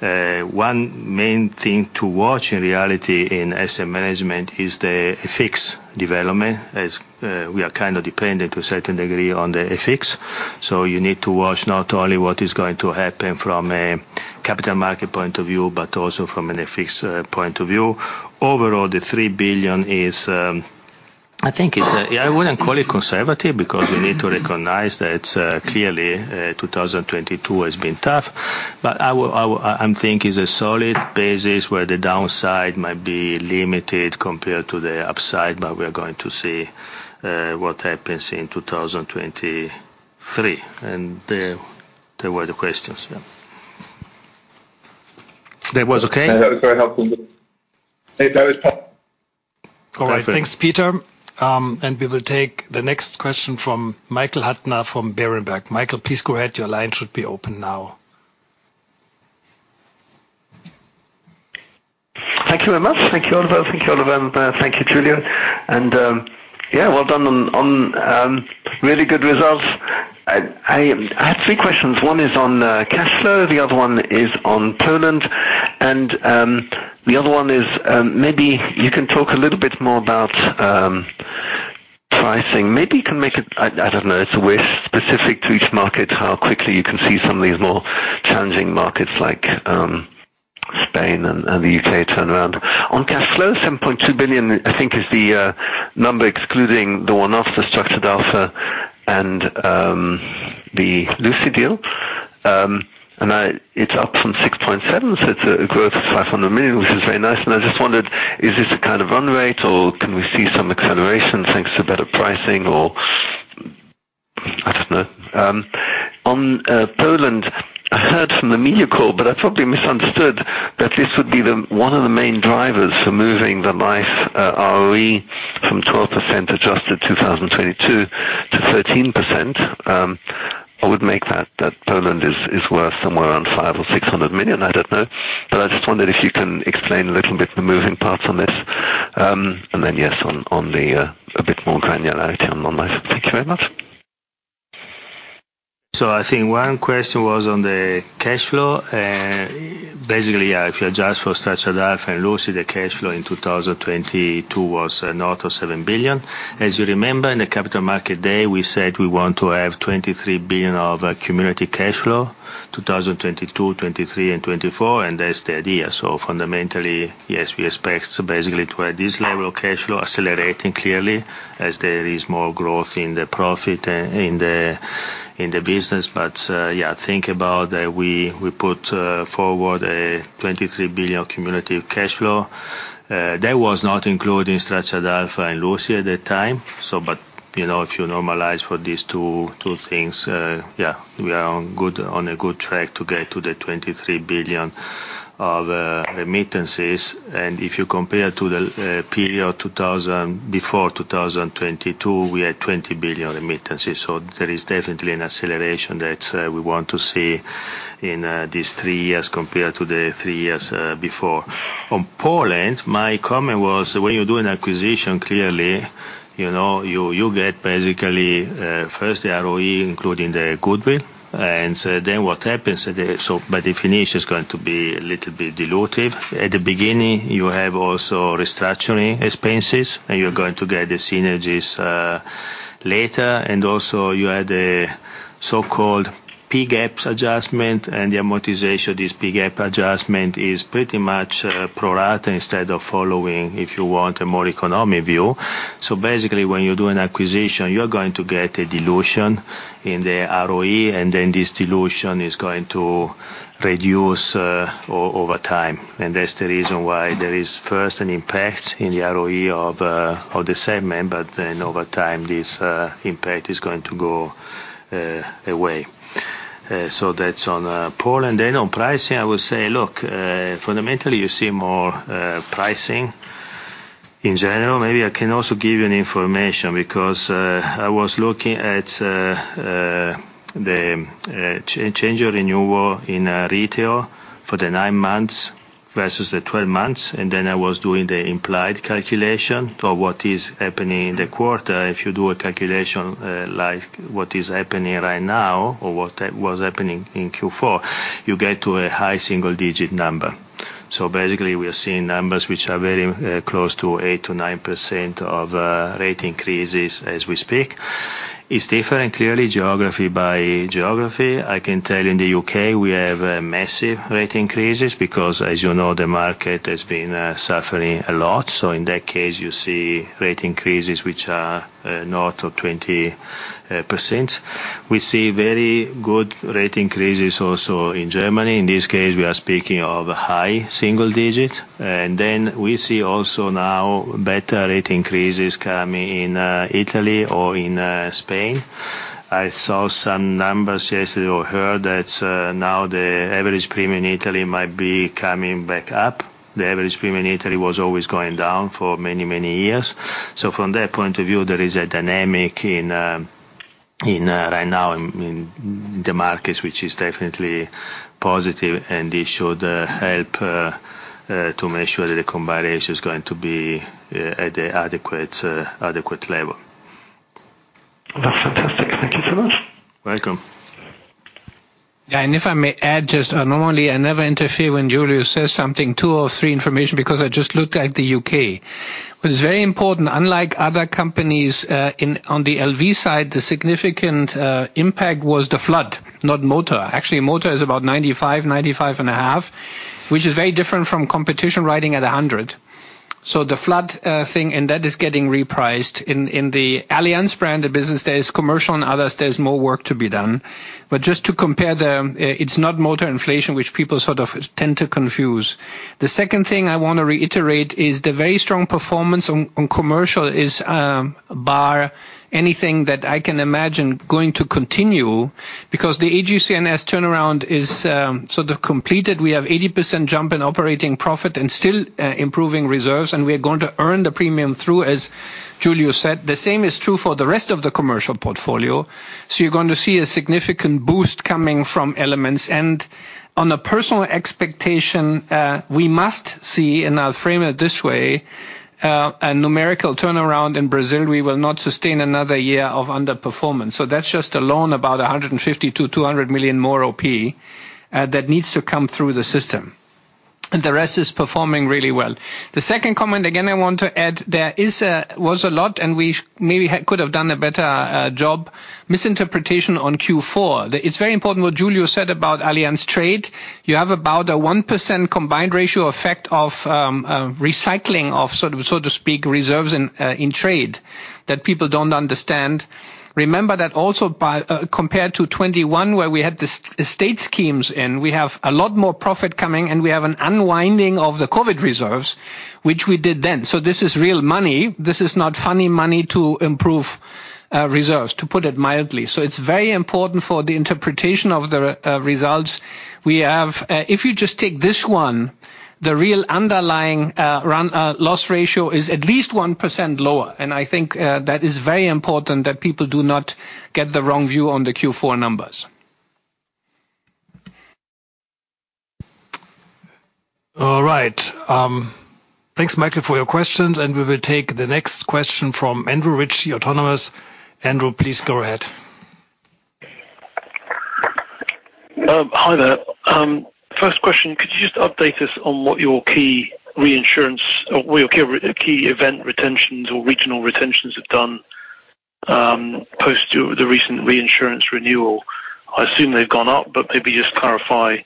One main thing to watch in reality in asset management is the FX development as we are kind of dependent to a certain degree on the FX. You need to watch not only what is going to happen from a capital market point of view, but also from an FX point of view. Overall, the 3 billion is, I think it's, yeah, I wouldn't call it conservative because we need to recognize that clearly 2022 has been tough. I will think it's a solid basis where the downside might be limited compared to the upside, but we are going to see what happens in 2023. There were the questions. Yeah, that was okay? That was very helpful. That was perfect. All right. Thanks, Peter. We will take the next question from Michael Huttner from Berenberg. Michael, please go ahead. Your line should be open now. Thank you very much. Thank you, Oliver. Thank you, Oliver. Thank you, Giulio. Yeah, well done on really good results. I have three questions. One is on cash flow, the other one is on Poland, the other one is maybe you can talk a little bit more about pricing. Maybe you can make it, I don't know, it's a wish specific to each market, how quickly you can see some of these more challenging markets like Spain and the U.K. turnaround. On cash flow, 7.2 billion, I think is the number excluding the one-off for Structured Alpha and the Lucid deal. It's up from 6.7 billion, so it's a growth of 500 million, which is very nice. I just wondered, is this a kind of run rate, or can we see some acceleration, thanks to better pricing or I don't know. On Poland, I heard from the media call, but I probably misunderstood that this would be the one of the main drivers for moving the life ROE from 12% adjusted 2022 to 13%. I would make that Poland is worth somewhere around 500 million-600 million. I don't know. I just wondered if you can explain a little bit the moving parts on this. Yes, on the a bit more granularity on online. Thank you very much. I think one question was on the cash flow. Basically, if you adjust for Structured Alpha and Lucid, the cash flow in 2022 was north of 7 billion. As you remember, in the capital market day, we said we want to have 23 billion of cumulative cash flow, 2022, 2023 and 2024, and that's the idea. Fundamentally, yes, we expect basically to have this level of cash flow accelerating clearly as there is more growth in the profit and the business. Think about we put forward a 23 billion cumulative cash flow. That was not including Structured Alpha and Lucid at the time. You know, if you normalize for these two things, yeah, we are on a good track to get to 23 billion of remittances. If you compare to the period before 2022, we had 20 billion remittances. There is definitely an acceleration that we want to see in these three years compared to the three years before. On Poland, my comment was when you do an acquisition, clearly, you know, you get basically first the ROE, including the goodwill. What happens so by definition, it's going to be a little bit dilutive. At the beginning, you have also restructuring expenses, and you're going to get the synergies later. You had a so-called PGAAP adjustment and the amortization. This PGAAP adjustment is pretty much pro rata instead of following, if you want a more economic view. Basically, when you do an acquisition, you're going to get a dilution in the ROE, and this dilution is going to reduce over time. That's the reason why there is first an impact in the ROE of the segment. Over time, this impact is going to go away. That's on Poland. On pricing, I would say, look, fundamentally, you see more pricing in general. Maybe I can also give you an information because I was looking at the change of renewal in retail for the nine months versus the 12 months. I was doing the implied calculation for what is happening in the quarter. If you do a calculation, like what is happening right now or what was happening in Q4, you get to a high single-digit number. Basically, we are seeing numbers which are very close to 8%-9% of rate increases as we speak. It's different clearly geography by geography. I can tell you in the U.K. we have massive rate increases because as you know, the market has been suffering a lot. In that case, you see rate increases which are north of 20%. We see very good rate increases also in Germany. In this case, we are speaking of a high single digit. We see also now better rate increases coming in Italy or in Spain. I saw some numbers yesterday, or heard that, now the average premium in Italy might be coming back up. The average premium in Italy was always going down for many, many years. From that point of view, there is a dynamic in right now in the markets, which is definitely positive and this should help to make sure that the combined ratio is going to be at a adequate level. That's fantastic. Thank you so much. Welcome. Yeah. If I may add just normally I never interfere when Giulio says something, two or three information because I just looked at the U.K. What is very important, unlike other companies, in, on the LV side, the significant impact was the flood, not motor. Actually, motor is about 95%, 95.5%, which is very different from competition riding at 100%. The flood thing, and that is getting repriced. In, in the Allianz brand, the business there is commercial and others, there's more work to be done. Just to compare them, it's not motor inflation, which people sort of tend to confuse. The second thing I wanna reiterate is the very strong performance on commercial is bar anything that I can imagine going to continue because the AGC&S turnaround is sort of completed. We have 80% jump in operating profit, still improving reserves, and we are going to earn the premium through, as Giulio said. The same is true for the rest of the commercial portfolio. You're going to see a significant boost coming from elements. On a personal expectation, we must see, and I'll frame it this way, a numerical turnaround in Brazil, we will not sustain another year of underperformance. That's just a loan about 150 million-200 million more OP that needs to come through the system. The rest is performing really well. The second comment, again, I want to add there was a lot, and we maybe had, could have done a better job misinterpretation on Q4. It's very important what Giulio said about Allianz Trade. You have about a 1% combined ratio effect of so to speak, reserves in trade that people don't understand. Remember that also by compared to 2021, where we had the state schemes in, we have a lot more profit coming, and we have an unwinding of the COVID reserves, which we did then. This is real money. This is not funny money to improve reserves, to put it mildly. It's very important for the interpretation of the results. We have, if you just take this one, the real underlying run loss ratio is at least 1% lower. I think that is very important that people do not get the wrong view on the Q4 numbers. All right. Thanks Michael for your questions. We will take the next question from Andrew Ritchie, Autonomous. Andrew, please go ahead. Hi there. First question, could you just update us on what your key reinsurance or your key event retentions or regional retentions have done, post to the recent reinsurance renewal? I assume they've gone up, but maybe just clarify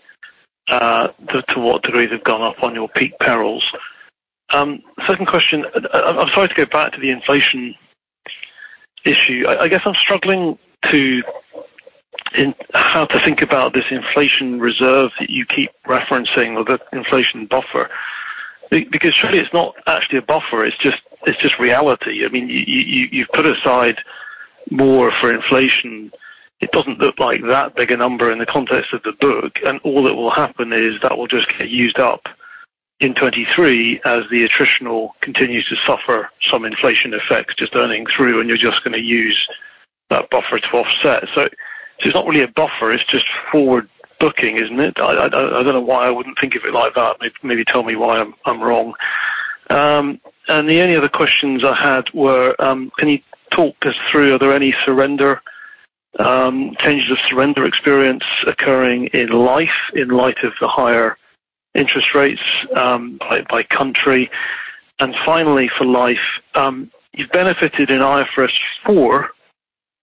to what degree they've gone up on your peak perils? Second question. I'm sorry to go back to the inflation issue. I guess I'm struggling to in how to think about this inflation reserve that you keep referencing or the inflation buffer. Because surely it's not actually a buffer, it's just reality. I mean, you've put aside more for inflation. It doesn't look like that big a number in the context of the book. All that will happen is that will just get used up in 2023 as the attritional continues to suffer some inflation effects just earning through, and you're just gonna use that buffer to offset. It's not really a buffer, it's just forward booking, isn't it? I don't know why I wouldn't think of it like that. Maybe tell me why I'm wrong. The only other questions I had were, can you talk us through, are there any surrender changes of surrender experience occurring in life in light of the higher interest rates by country? Finally for life, you've benefited in IFRS 4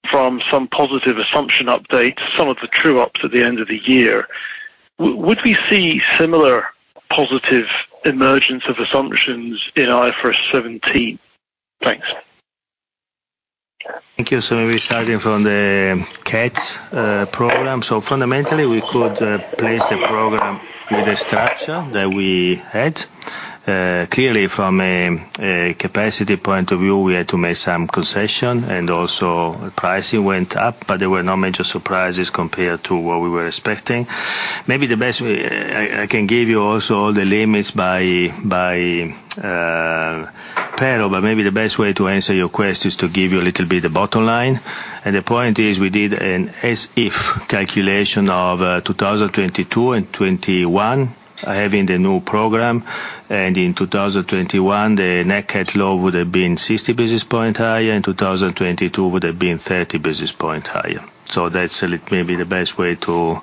from some positive assumption updates, some of the true ups at the end of the year. Would we see similar positive emergence of assumptions in IFRS 17? Thanks. Thank you. Starting from the CAT program. Fundamentally, we could place the program with the structure that we had. Clearly from a capacity point of view, we had to make some concession and also pricing went up, but there were no major surprises compared to what we were expecting. Maybe the best way I can give you also the limits by peril, but maybe the best way to answer your question is to give you a little bit the bottom line. The point is we did an as if calculation of 2022 and 2021, having the new program. In 2021, the net CAT low would have been 60 basis point higher, in 2022 would have been 30 basis point higher. That's maybe the best way to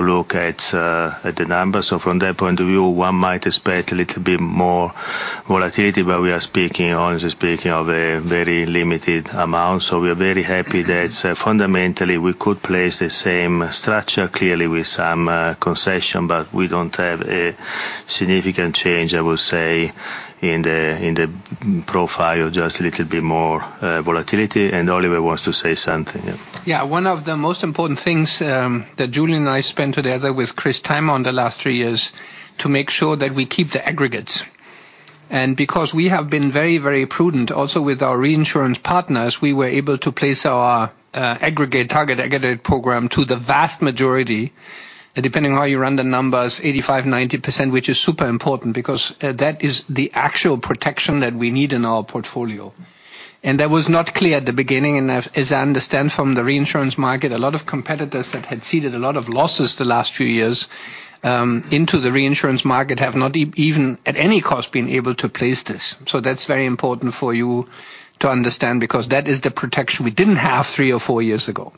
look at the numbers. From that point of view, one might expect a little bit more volatility, but we are speaking, honestly speaking of a very limited amount. We are very happy that fundamentally we could place the same structure clearly with some concession, but we don't have a significant change, I will say, in the profile. Just a little bit more volatility. Oliver wants to say something. Yeah. One of the most important things that Giulio and I spent together with Christopher Townsend on the last three years to make sure that we keep the aggregates. Because we have been very, very prudent also with our reinsurance partners, we were able to place our aggregate target, aggregate program to the vast majority. Depending on how you run the numbers, 85%, 90%, which is super important because that is the actual protection that we need in our portfolio. That was not clear at the beginning. As I understand from the reinsurance market, a lot of competitors that had seeded a lot of losses the last few years into the reinsurance market have not even at any cost, been able to place this. that's very important for you to understand, because that is the protection we didn't have three or four years ago.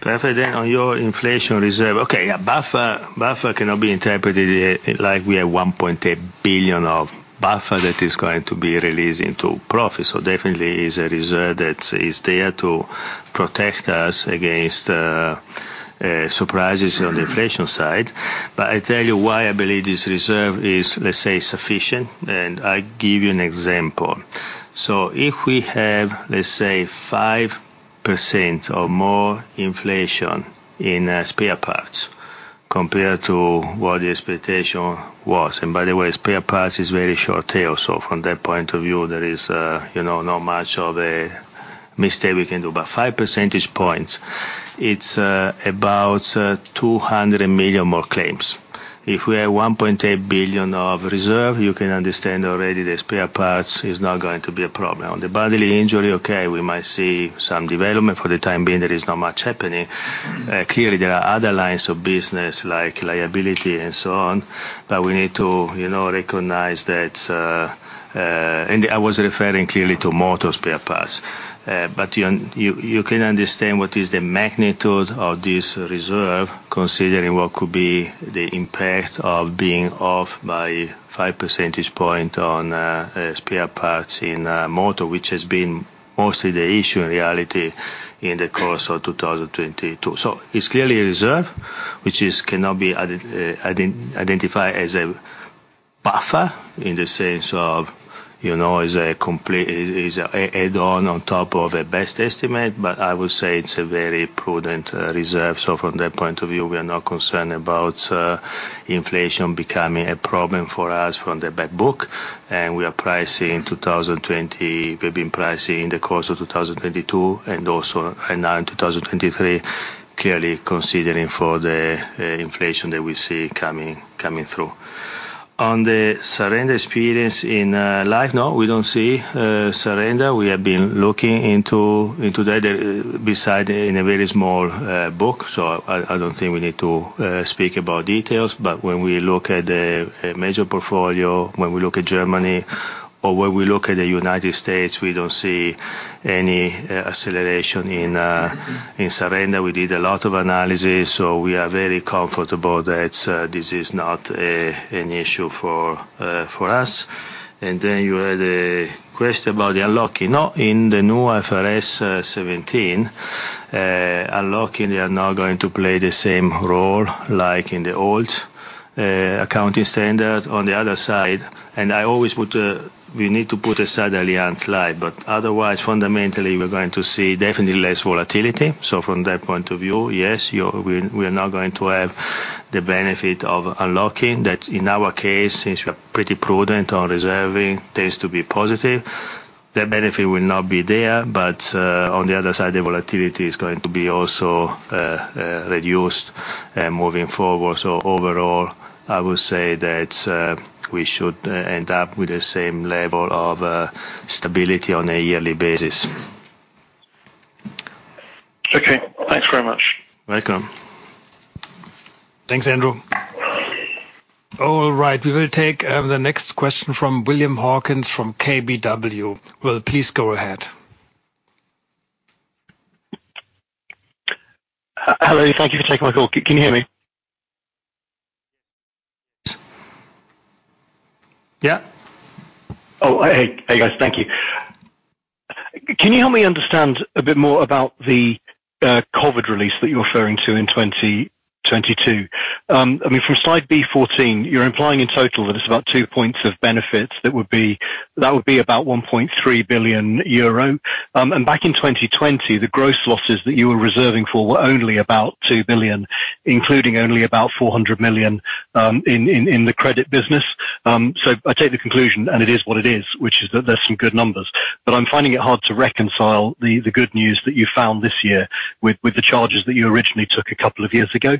President, on your inflation reserve. Buffer cannot be interpreted like we have 1.8 billion of buffer that is going to be released into profit. Definitely is a reserve that is there to protect us against surprises on the inflation side. I tell you why I believe this reserve is, let's say, sufficient, and I give you an example. If we have, let's say, 5% or more inflation in spare parts compared to what the expectation was, and by the way, spare parts is very short tail. From that point of view, there is, you know, not much of a mistake we can do. Five percentage points, it's about 200 million more claims. If we have 1.8 billion of reserve, you can understand already that spare parts is not going to be a problem. On the bodily injury, okay, we might see some development. For the time being, there is not much happening. Clearly, there are other lines of business, like liability and so on. We need to, you know, recognize that. I was referring clearly to motor spare parts. You can understand what is the magnitude of this reserve, considering what could be the impact of being off by five percentage points on spare parts in motor, which has been mostly the issue in reality in the course of 2022. It's clearly a reserve which is cannot be identified as a buffer in the sense of, you know, is a complete... Is add on top of a best estimate. I would say it's a very prudent reserve. From that point of view, we are not concerned about inflation becoming a problem for us from the back book. We are pricing. We've been pricing in the course of 2022 and also now in 2023, clearly considering for the inflation that we see coming through. On the surrender experience in life, no, we don't see surrender. We have been looking into that beside in a very small book. I don't think we need to speak about details. When we look at the major portfolio, when we look at Germany or when we look at the United States, we don't see any acceleration in surrender. We did a lot of analysis, so we are very comfortable that, this is not a, an issue for us. You had a question about the unlocking. Now in the new IFRS 17, unlocking, they are now going to play the same role like in the old accounting standard. On the other side, and I always put a, we need to put a suddenly on slide, but otherwise fundamentally we're going to see definitely less volatility. From that point of view, yes, you're, we're now going to have the benefit of unlocking that. In our case, since we're pretty prudent on reserving tends to be positive, that benefit will not be there. On the other side, the volatility is going to be also reduced moving forward. Overall, I would say that, we should end up with the same level of stability on a yearly basis. Okay, thanks very much. Welcome. Thanks, Andrew. Okay. All right. We will take the next question from William Hawkins from KBW. Will, please go ahead. Hello. Thank you for taking my call. Can you hear me? Yeah. Hey. Hey, guys. Thank you. Can you help me understand a bit more about the COVID release that you're referring to in 2022? I mean, from slide B14, you're implying in total that it's about two points of benefits that would be about 1.3 billion euro. Back in 2020, the gross losses that you were reserving for were only about 2 billion, including only about 400 million in the credit business. I take the conclusion and it is what it is, which is that there's some good numbers. I'm finding it hard to reconcile the good news that you found this year with the charges that you originally took a couple of years ago.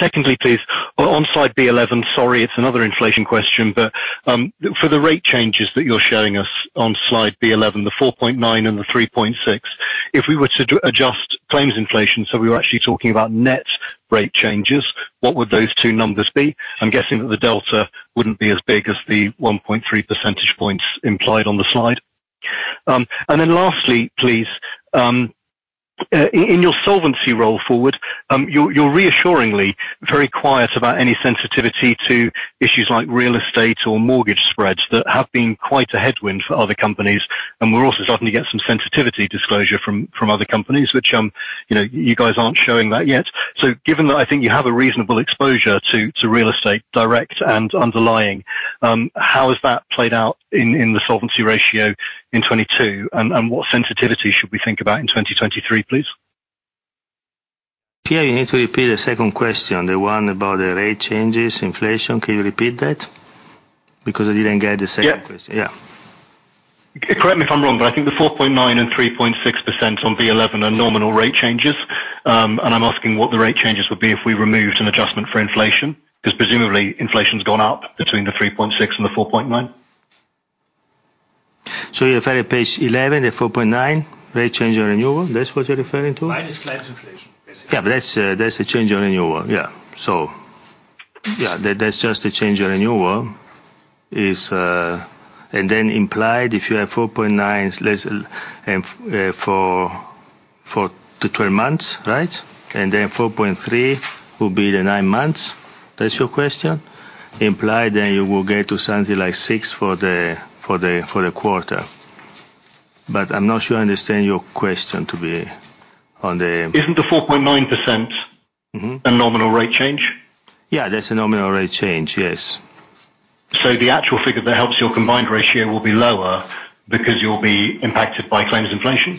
Secondly, please, on slide B11. Sorry, it's another inflation question. For the rate changes that you're showing us on slide B11, the 4.9 and the 3.6, if we were to adjust claims inflation, so we were actually talking about net rate changes, what would those two numbers be? I'm guessing that the delta wouldn't be as big as the 1.3 percentage points implied on the slide. Then lastly, please, in your solvency roll forward, you're reassuringly very quiet about any sensitivity to issues like real estate or mortgage spreads that have been quite a headwind for other companies. We're also starting to get some sensitivity disclosure from other companies which, you know, you guys aren't showing that yet. Given that I think you have a reasonable exposure to real estate direct and underlying, how has that played out in the solvency ratio in 2022, and what sensitivity should we think about in 2023, please? Yeah, you need to repeat the second question, the one about the rate changes, inflation. Can you repeat that? I didn't get the second question. Yeah. Yeah. Correct me if I'm wrong, I think the 4.9 and 3.6% on B 11 are nominal rate changes. I'm asking what the rate changes would be if we removed an adjustment for inflation. 'Cause presumably inflation's gone up between the 3.6 and the 4.9. You're referring page 11, the 4.9%, rate change on renewal, that's what you're referring to? Minus claims inflation, basically. That's, that's the change on renewal, yeah. That's just the change on renewal is. Implied, if you have 4.9 less for the 12 months, right? Then 4.3 will be the 9 months. That's your question? Implied, then you will get to something like 6 for the quarter. I'm not sure I understand your question to be on the. Isn't the 4.9%- Mm-hmm. a nominal rate change? Yeah, that's a nominal rate change, yes. The actual figure that helps your combined ratio will be lower because you'll be impacted by claims inflation?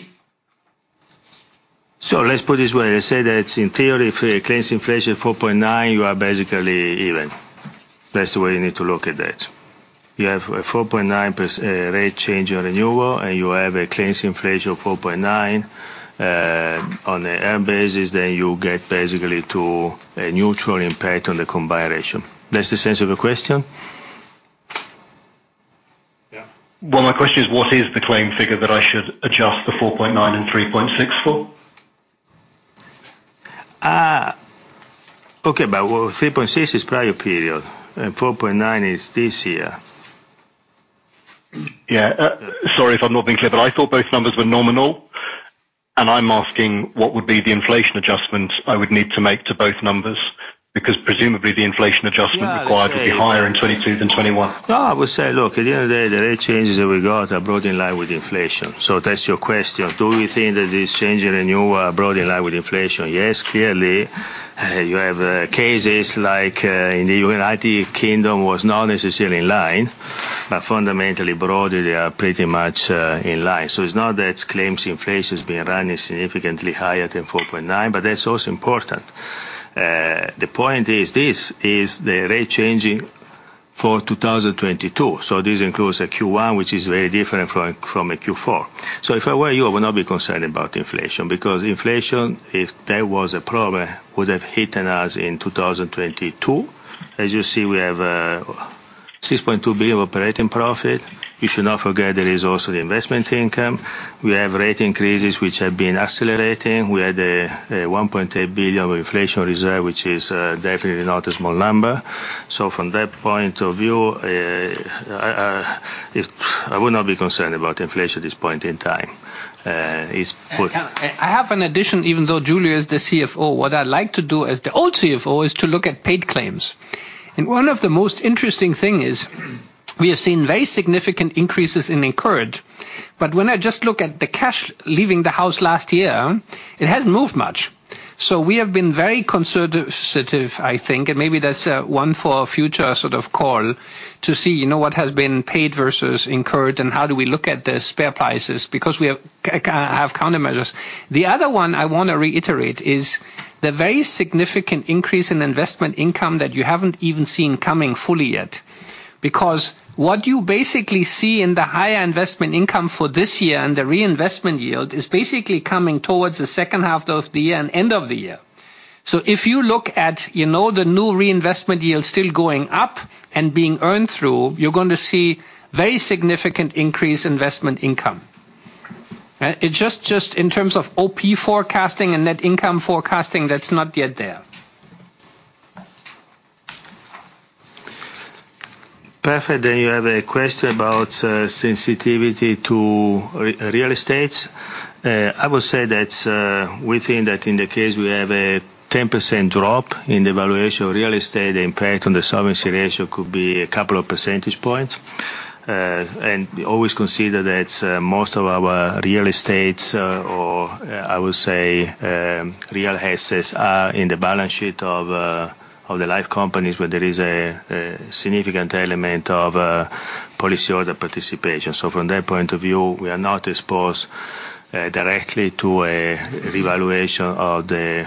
Let's put it this way. Let's say that in theory, for claims inflation 4.9, you are basically even. That's the way you need to look at that. You have a 4.9 rate change on renewal, and you have a claims inflation of 4.9. On an annual basis, then you get basically to a neutral impact on the combined ratio. That's the sense of the question? Yeah. Well, my question is what is the claimed figure that I should adjust the 4.9 and 3.6 for? Okay, well, 3.6 is prior period, and 4.9 is this year. Yeah. Sorry if I'm not being clear, but I thought both numbers were nominal. I'm asking what would be the inflation adjustment I would need to make to both numbers, because presumably the inflation adjustment required would be higher in 2022 than 2021. I would say, look, at the end of the day, the rate changes that we got are broadly in line with inflation. That's your question. Do we think that this change in annual are broadly in line with inflation? Yes, clearly. You have cases like in the United Kingdom was not necessarily in line. Fundamentally, broadly, they are pretty much in line. It's not that claims inflation is being run significantly higher than 4.9%, but that's also important. The point is this is the rate changing for 2022, so this includes a Q1, which is very different from a Q4. If I were you, I would not be concerned about inflation. Inflation, if that was a problem, would have hit us in 2022. As you see, we have 6.2 billion operating profit. You should not forget there is also the investment income. We have rate increases which have been accelerating. We had 1.8 billion of inflation reserve, which is definitely not a small number. From that point of view, I would not be concerned about inflation at this point in time. I have an addition, even though Giulio is the CFO. What I'd like to do as the old CFO is to look at paid claims. One of the most interesting things is we have seen very significant increases in incurred, but when I just look at the cash leaving the house last year, it hasn't moved much. We have been very conservative I think, and maybe that's one for a future sort of call to see, you know, what has been paid versus incurred and how do we look at the spare prices, because we have countermeasures. The other one I wanna reiterate is the very significant increase in investment income that you haven't even seen coming fully yet. Because what you basically see in the higher investment income for this year and the reinvestment yield is basically coming towards the second half of the year and end of the year. If you look at, you know, the new reinvestment yield still going up and being earned through, you're going to see very significant increase investment income. It's just in terms of OP forecasting and net income forecasting that's not yet there. Perfect. You have a question about sensitivity to real estates. I would say that we think that in the case we have a 10% drop in the valuation of real estate impact on the solvency ratio could be a couple of percentage points. We always consider that most of our real estates or, I would say, real assets are in the balance sheet of the life companies, where there is a significant element of policyholder participation. From that point of view, we are not exposed directly to a revaluation of the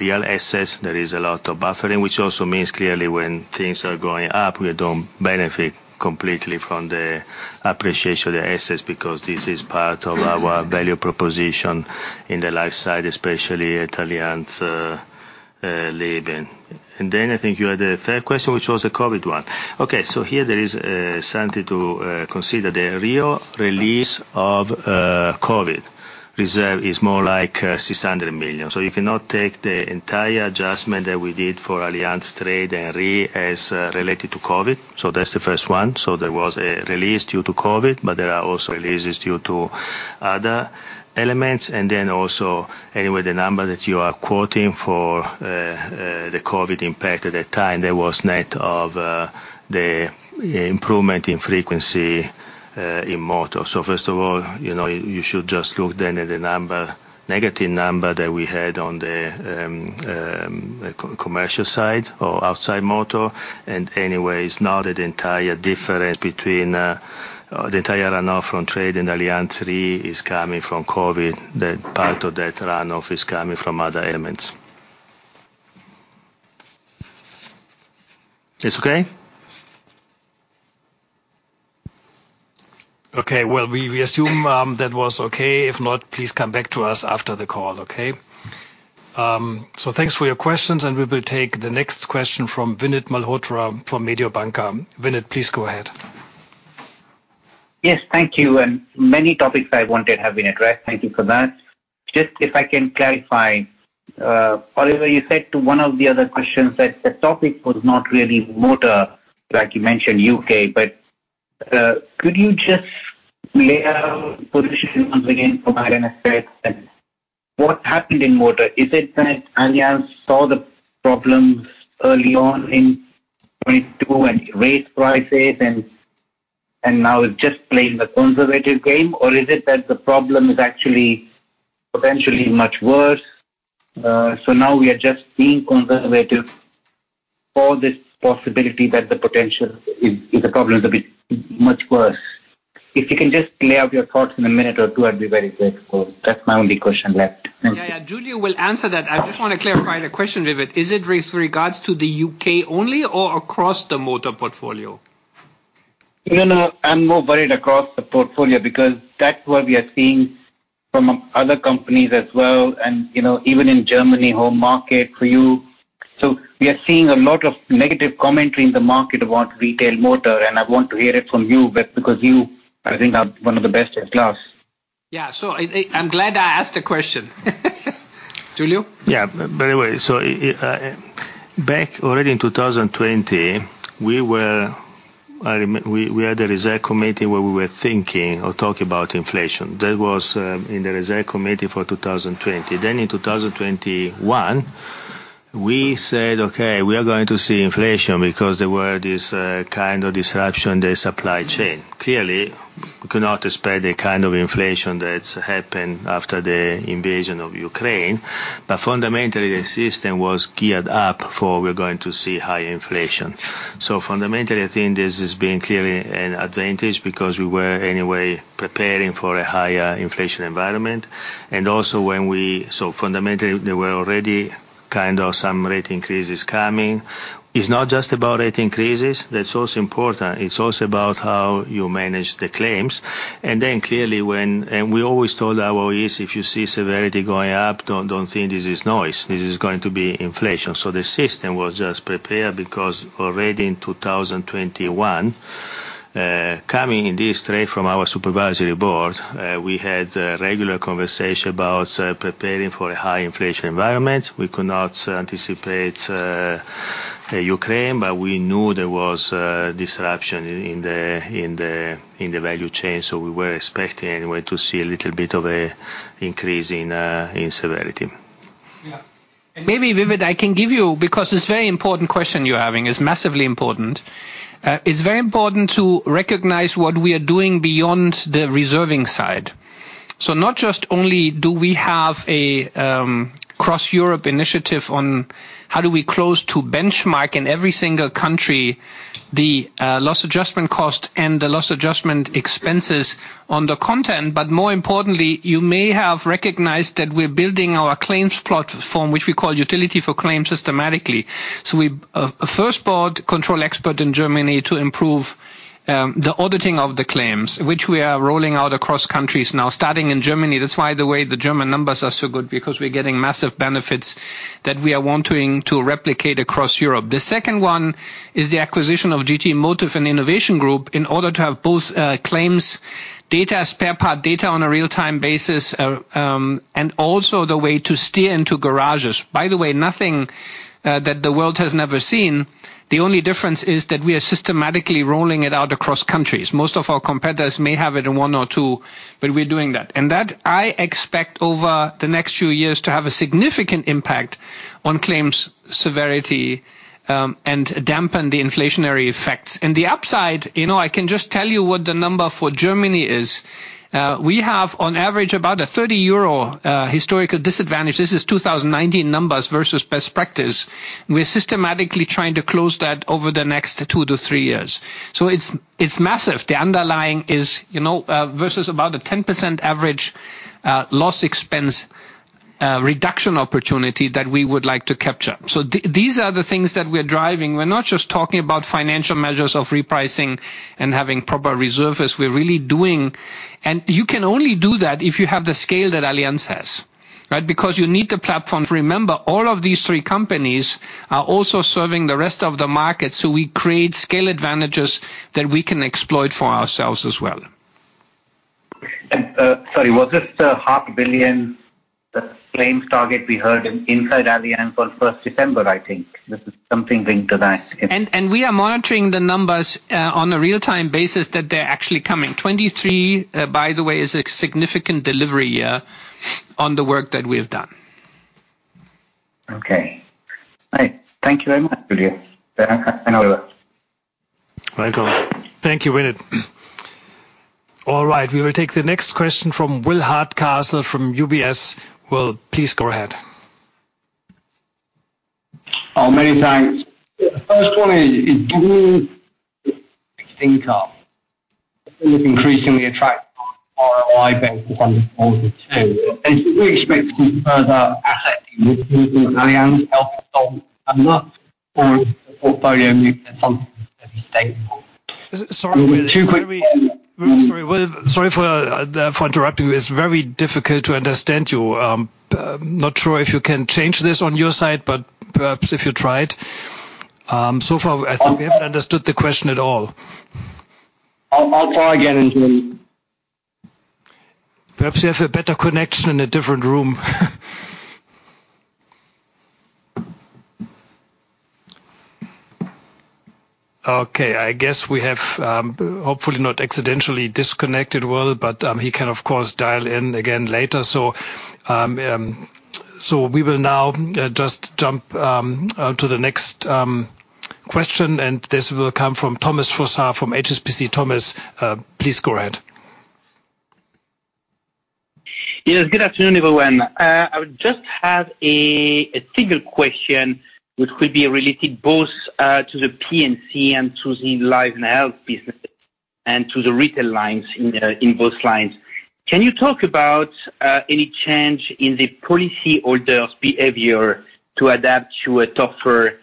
real assets. There is a lot of buffering, which also means clearly when things are going up, we don't benefit completely from the appreciation of the assets, because this is part of our value proposition in the life side, especially at Allianz Leben. Then I think you had a third question, which was a COVID one. Okay. Here there is something to consider. The real release of COVID reserve is more like 600 million. You cannot take the entire adjustment that we did for Allianz Trade and Re as related to COVID. That's the first one. There was a release due to COVID, there are also releases due to other elements, the number that you are quoting for the COVID impact at that time, that was net of the improvement in frequency in motor. First of all, you know, you should just look then at the number, negative number that we had on the commercial side or outside motor. It's not the entire difference between the entire runoff from trade in Allianz Re is coming from COVID. That part of that runoff is coming from other elements. It's okay? Okay. Well, we assume that was okay. If not, please come back to us after the call, okay? Thanks for your questions, and we will take the next question from Vinit Malhotra from Mediobanca. Vinit, please go ahead. Yes, thank you. Many topics I wanted have been addressed. Thank you for that. Just if I can clarify, Oliver, you said to one of the other questions that the topic was not really motor, like you mentioned U.K., but, could you just lay out position once again from Allianz's side and what happened in motor? Is it that Allianz saw the problems early on in 2022, and it raised prices and now it's just playing the conservative game? Or is it that the problem is actually potentially much worse? Now we are just being conservative for this possibility that the potential is the problem is a bit much worse. If you can just lay out your thoughts in a minute or two, I'd be very grateful. That's my only question left. Thank you. Yeah, yeah. Giulio will answer that. I just wanna clarify the question, Vinit. Is it with regards to the U.K. only or across the motor portfolio? No, no, I'm more worried across the portfolio because that's what we are seeing from other companies as well, and, you know, even in Germany, home market for you. We are seeing a lot of negative commentary in the market about retail motor, and I want to hear it from you because you, I think, are one of the best in class. Yeah. I'm glad I asked the question. Giulio. Yeah. Anyway, back already in 2020, we had a reserve committee where we were thinking or talking about inflation. That was in the reserve committee for 2020. In 2021, we said, "Okay, we are going to see inflation because the world is kind of disruption the supply chain." Clearly, we could not expect the kind of inflation that's happened after the invasion of Ukraine. Fundamentally, the system was geared up for we're going to see high inflation. Fundamentally, I think this has been clearly an advantage because we were anyway preparing for a higher inflation environment. Also when we saw fundamentally there were already kind of some rate increases coming. It's not just about rate increases. That's also important. It's also about how you manage the claims. Clearly when we always told our OEs, if you see severity going up, don't think this is noise. This is going to be inflation. The system was just prepared because already in 2021, coming in this straight from our supervisory board, we had a regular conversation about preparing for a high inflation environment. We could not anticipate Ukraine, but we knew there was a disruption in the, in the, in the value chain. We were expecting anyway to see a little bit of a increase in severity. Yeah. Maybe, Vinit, I can give you, because it's a very important question you're having. It's massively important. It's very important to recognize what we are doing beyond the reserving side. Not just only do we have a cross-Europe initiative on how do we close to benchmark in every single country the loss adjustment cost and the loss adjustment expenses on the content, but more importantly, you may have recognized that we're building our claims platform, which we call Utility for Claims, systematically. We first bought ControlExpert in Germany to improve the auditing of the claims, which we are rolling out across countries now, starting in Germany. That's why, the way the German numbers are so good, because we're getting massive benefits that we are wanting to replicate across Europe. The second one is the acquisition of GT Motive and Innovation Group in order to have both, claims data, spare part data on a real-time basis, and also the way to steer into garages. By the way, nothing that the world has never seen. The only difference is that we are systematically rolling it out across countries. Most of our competitors may have it in one or two, but we're doing that. That I expect over the next few years to have a significant impact on claims severity, and dampen the inflationary effects. In the upside, you know, I can just tell you what the number for Germany is. We have on average about a 30 euro historical disadvantage. This is 2019 numbers versus best practice. We're systematically trying to close that over the next two to three years. It's massive. The underlying is, you know, versus about a 10% average loss expense reduction opportunity that we would like to capture. These are the things that we're driving. We're not just talking about financial measures of repricing and having proper reserve as we're really doing. You can only do that if you have the scale that Allianz has, right? Because you need the platform. Remember, all of these three companies are also serving the rest of the market. We create scale advantages that we can exploit for ourselves as well. sorry, was this the EUR half billion-? The claims target we heard in inside Allianz for first December, I think. This is something linked to that. We are monitoring the numbers on a real-time basis that they're actually coming. 2023, by the way, is a significant delivery year on the work that we have done. Okay. All right. Thank you very much, Giulio. Have a Welcome. Thank you, Vinit. All right. We will take the next question from Will Hardcastle from UBS. Will, please go ahead. Oh, many thanks. First one is, do you think of increasingly attractive ROI bank is under 42? Do we expect some further asset. Sorry, Will. Sorry for interrupting you. It's very difficult to understand you. Not sure if you can change this on your side, but perhaps if you tried. I think we haven't understood the question at all. I'll try again in a minute. Perhaps you have a better connection in a different room. I guess we have, hopefully not accidentally disconnected Will, but he can, of course, dial in again later. We will now just jump to the next question, and this will come from Thomas Fossard from HSBC. Thomas, please go ahead. Yes. Good afternoon, everyone. I would just have a single question which will be related both to the P&C and to the life and health businesses and to the retail lines in both lines. Can you talk about any change in the policyholder's behavior to adapt to a tougher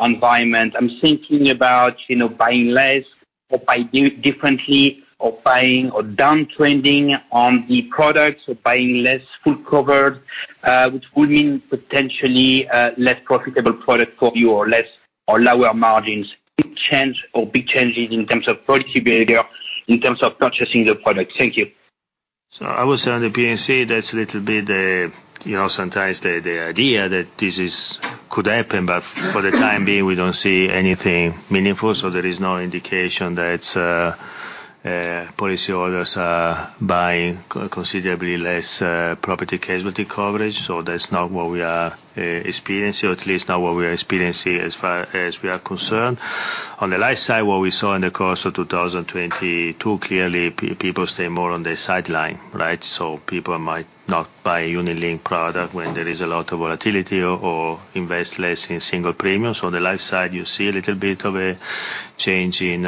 environment? I'm thinking about, you know, buying less or buy new differently or buying or downtrending on the products or buying less full cover, which would mean potentially less profitable product for you or less or lower margins. Big change or big changes in terms of policy behavior, in terms of purchasing the product? Thank you. I would say on the P&C, that's a little bit, you know, sometimes the idea that this is, could happen, but for the time being, we don't see anything meaningful. There is no indication that policyholders are buying considerably less property casualty coverage. That's not what we are experiencing, or at least not what we are experiencing as far as we are concerned. On the life side, what we saw in the course of 2020, clearly people stay more on the sideline, right? People might not buy a unit-linked product when there is a lot of volatility or invest less in single premiums. On the life side, you see a little bit of a change in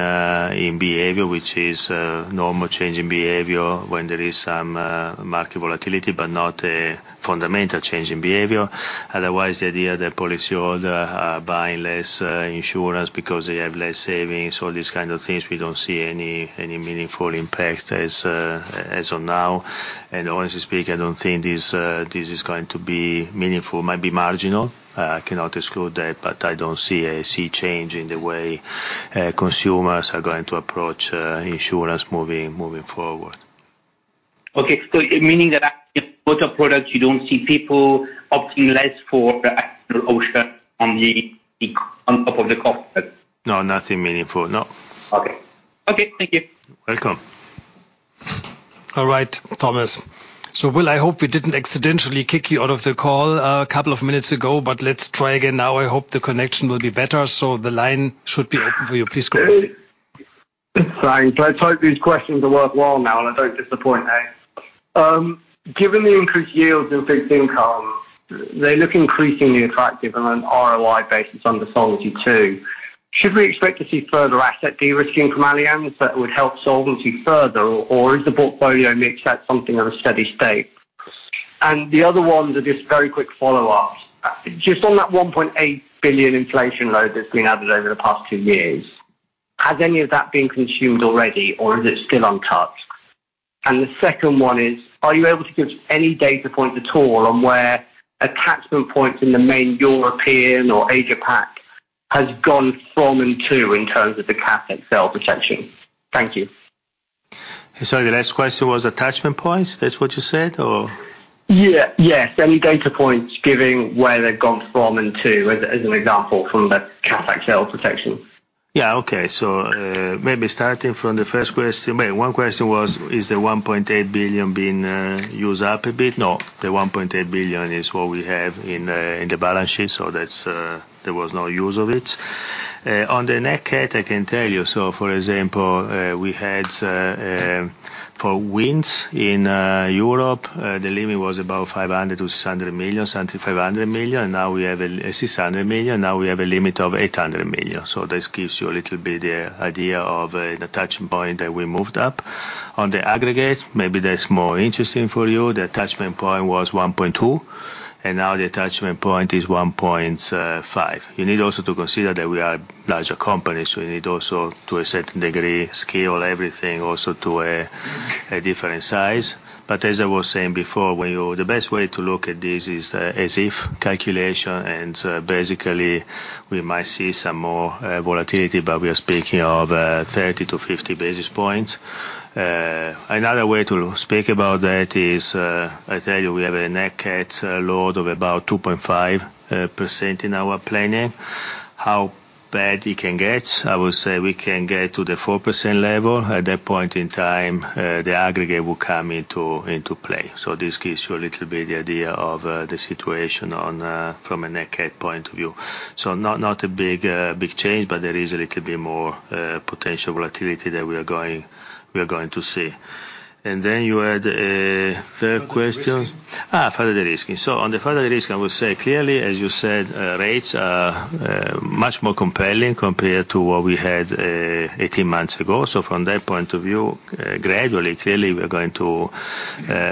behavior, which is normal change in behavior when there is some market volatility, but not a fundamental change in behavior. Otherwise, the idea that policyholders are buying less insurance because they have less savings, all these kind of things, we don't see any meaningful impact as of now. Honestly speaking, I don't think this is going to be meaningful. Might be marginal. I cannot exclude that, but I don't see a sea change in the way consumers are going to approach insurance moving forward. Okay. Meaning that if other products, you don't see people opting less for the actual ocean on the, on top of the cost? No, nothing meaningful. No. Okay. Okay, thank you. Welcome. All right, Thomas. Will, I hope we didn't accidentally kick you out of the call a couple of minutes ago. Let's try again now. I hope the connection will be better. The line should be open for you. Please go ahead. Thanks. I just hope these questions are worthwhile now. I don't disappoint now. Given the increased yields in fixed income, they look increasingly attractive on an ROI basis under Solvency II. Should we expect to see further asset de-risking from Allianz that would help Solvency further? Or is the portfolio mix at something of a steady state? The other one is just very quick follow-up. Just on that 1.8 billion inflation load that's been added over the past two years, has any of that been consumed already, or is it still untouched? The second one is, are you able to give any data points at all on where attachment points in the main European or Asia Pac has gone from and to in terms of the cat excess protection? Thank you. Sorry, the last question was attachment points. That's what you said, or? Yeah, yes. Any data points giving where they've gone from and to as an example from the cat excess protection? Okay. Maybe starting from the first question. One question was, is the 1.8 billion being used up a bit? No, the 1.8 billion is what we have in the balance sheet. That's, there was no use of it. On the Nat Cat, I can tell you. For example, we had for winds in Europe, the limit was about 500 million-600 million, 7,500 million. Now we have a 600 million. Now we have a limit of 800 million. This gives you a little bit idea of the attachment point that we moved up. On the aggregate, maybe that's more interesting for you. The attachment point was 1.2, and now the attachment point is 1.5. You need also to consider that we are larger companies. We need also, to a certain degree, scale everything also to a different size. As I was saying before, the best way to look at this is as if calculation, and basically we might see some more volatility, but we are speaking of 30 to 50 basis points. Another way to speak about that is, I tell you, we have a Nat Cat load of about 2.5% in our planning. How bad it can get, I would say we can get to the 4% level. At that point in time, the aggregate will come into play. This gives you a little bit idea of the situation on from a net head point of view. Not a big change, but there is a little bit more potential volatility that we are going to see. You had a third question. Further risk. Further risking. On the further risk, I would say clearly, as you said, rates are much more compelling compared to what we had 18 months ago. From that point of view, gradually, clearly we're going to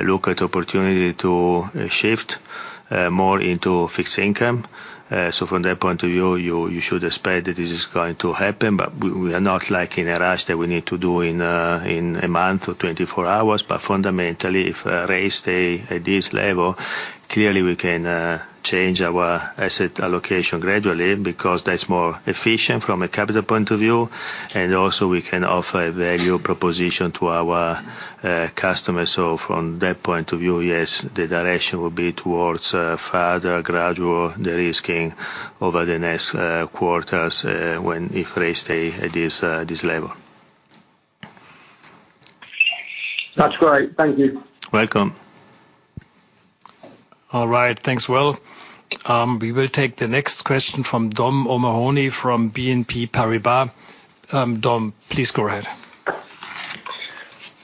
look at opportunity to shift more into fixed income. From that point of view, you should expect that this is going to happen, but we are not liking a rush that we need to do in a month or 24 hours. Fundamentally, if rates stay at this level, clearly we can change our asset allocation gradually because that's more efficient from a capital point of view, and also we can offer a value proposition to our customers. From that point of view, yes, the direction will be towards further gradual derisking over the next quarters when if rates stay at this level. That's great. Thank you. Welcome. All right. Thanks, Will. We will take the next question from Dominic O'Mahony from BNP Paribas. Dom, please go ahead.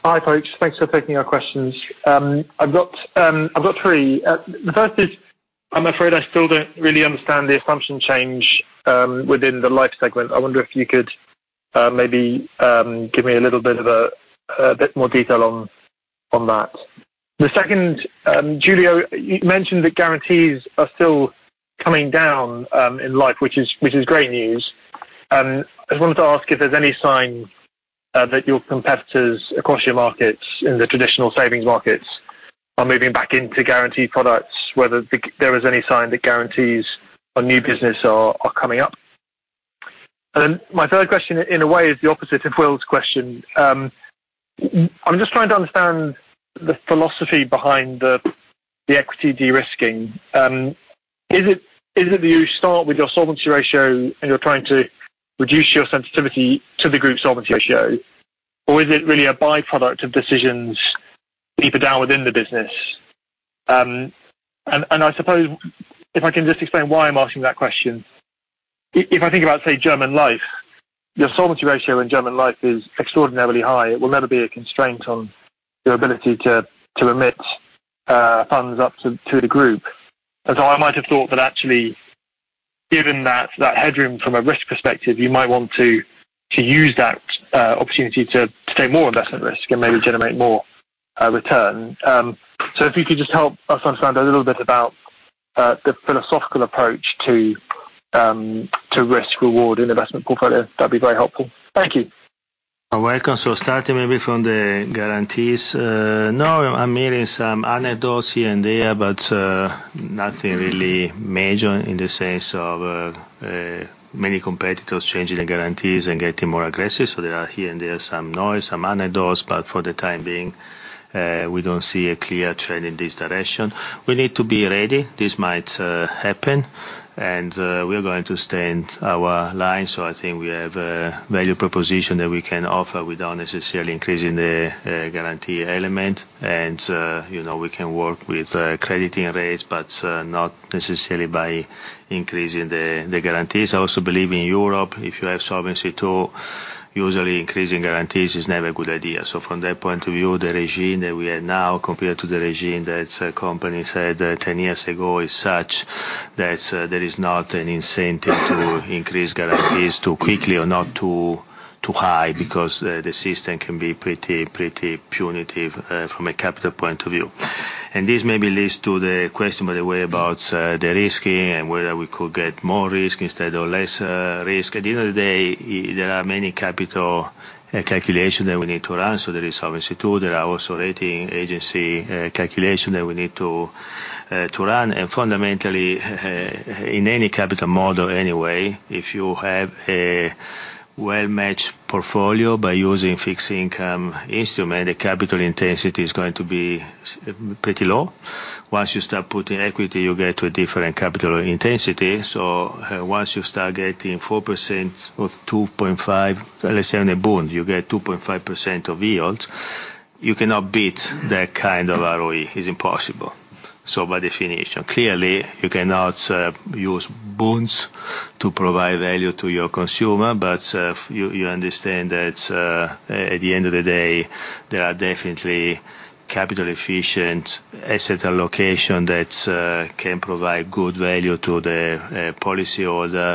Hi, folks. Thanks for taking our questions. I've got three. The first is, I'm afraid I still don't really understand the assumption change within the life segment. I wonder if you could maybe give me a bit more detail on that. The second, Giulio, you mentioned the guarantees are still coming down in life, which is great news. I just wanted to ask if there's any sign that your competitors across your markets, in the traditional savings markets, are moving back into guarantee products, if there is any sign that guarantees on new business are coming up. My third question, in a way, is the opposite of Will's question. I'm just trying to understand the philosophy behind the equity de-risking. Is it that you start with your solvency ratio and you're trying to reduce your sensitivity to the group solvency ratio, or is it really a by-product of decisions deeper down within the business? I suppose if I can just explain why I'm asking that question. If I think about, say, German Life, your solvency ratio in German Life is extraordinarily high. It will never be a constraint on your ability to emit funds up to the group. I might have thought that actually, given that headroom from a risk perspective, you might want to use that opportunity to take more investment risk and maybe generate more return. If you could just help us understand a little bit about the philosophical approach to risk/reward in investment portfolio, that'd be very helpful. Thank you. You're welcome. Starting maybe from the guarantees. no, I'm hearing some anecdotes here and there, but nothing really major in the sense of many competitors changing the guarantees and getting more aggressive. There are here and there is some noise, some anecdotes, but for the time being, we don't see a clear trend in this direction. We need to be ready. This might happen, and we are going to stand our line. I think we have a value proposition that we can offer without necessarily increasing the guarantee element. And, you know, we can work with crediting rates, but not necessarily by increasing the guarantees. I also believe in Europe, if you have Solvency II, usually increasing guarantees is never a good idea. From that point of view, the regime that we have now compared to the regime that companies had 10 years ago is such that there is not an incentive to increase guarantees too quickly or not too high, because the system can be pretty punitive from a capital point of view. This maybe leads to the question, by the way, about derisking and whether we could get more risk instead of less risk. At the end of the day, there are many capital calculation that we need to run. There is obviously two. There are also rating agency calculation that we need to run. Fundamentally, in any capital model anyway, if you have a well-matched portfolio by using fixed income instrument, the capital intensity is going to be pretty low. Once you start putting equity, you get to a different capital intensity. Once you start getting 4% of 2.5%, let's say on a bond, you get 2.5% of yield, you cannot beat that kind of ROE. It's impossible. By definition, clearly you cannot use bonds to provide value to your consumer. You understand that, at the end of the day, there are definitely capital efficient asset allocation that can provide good value to the policyholder,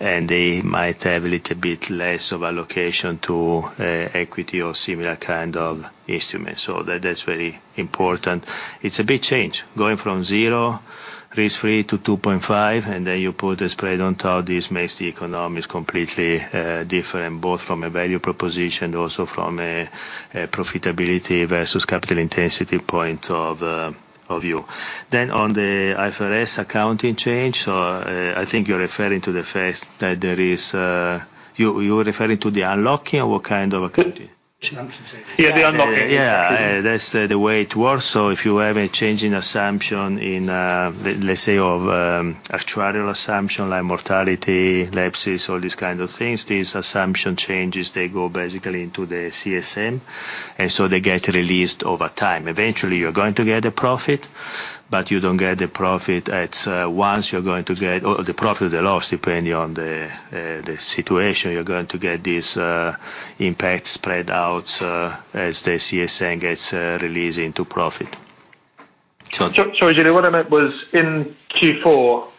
and they might have a little bit less of allocation to equity or similar kind of instrument. That's very important. It's a big change going from zero risk-free to 2.5, and then you put a spread on top. This makes the economics completely different, both from a value proposition, also from a profitability versus capital intensity point of view. On the IFRS accounting change, I think you're referring to the unlocking or what kind of accounting? Assumption change. Yeah, the unlocking. Yeah. That's the way it works. If you have a change in assumption in, let's say of, actuarial assumption like mortality, lapses, all these kind of things, these assumption changes, they go basically into the CSM, they get released over time. Eventually, you're going to get a profit, but you don't get a profit at once. You're going to get the profit or the loss, depending on the situation. You're going to get this impact spread out as the CSM gets released into profit. Sorry, Giulio. What I meant was in Q4,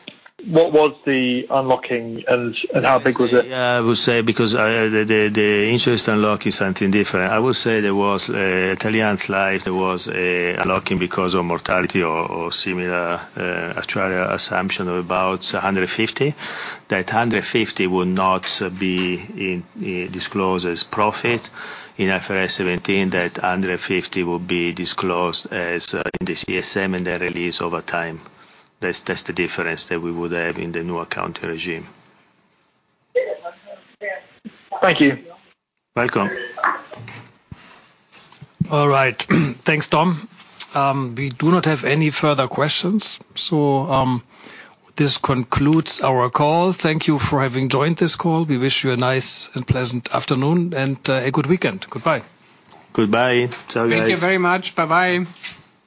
what was the unlocking and how big was it? I would say because the interest unlock is something different. I would say there was Italian Life, there was an unlocking because of mortality or similar actuarial assumption of about 150. That 150 would not be disclosed as profit. In IFRS 17, that EUR 150 will be disclosed in the CSM and the release over time. That's the difference that we would have in the new account regime. Thank you. Welcome. All right. Thanks, Dom. We do not have any further questions. This concludes our call. Thank you for having joined this call. We wish you a nice and pleasant afternoon and a good weekend. Goodbye. Goodbye. Ciao, guys. Thank you very much. Bye-bye.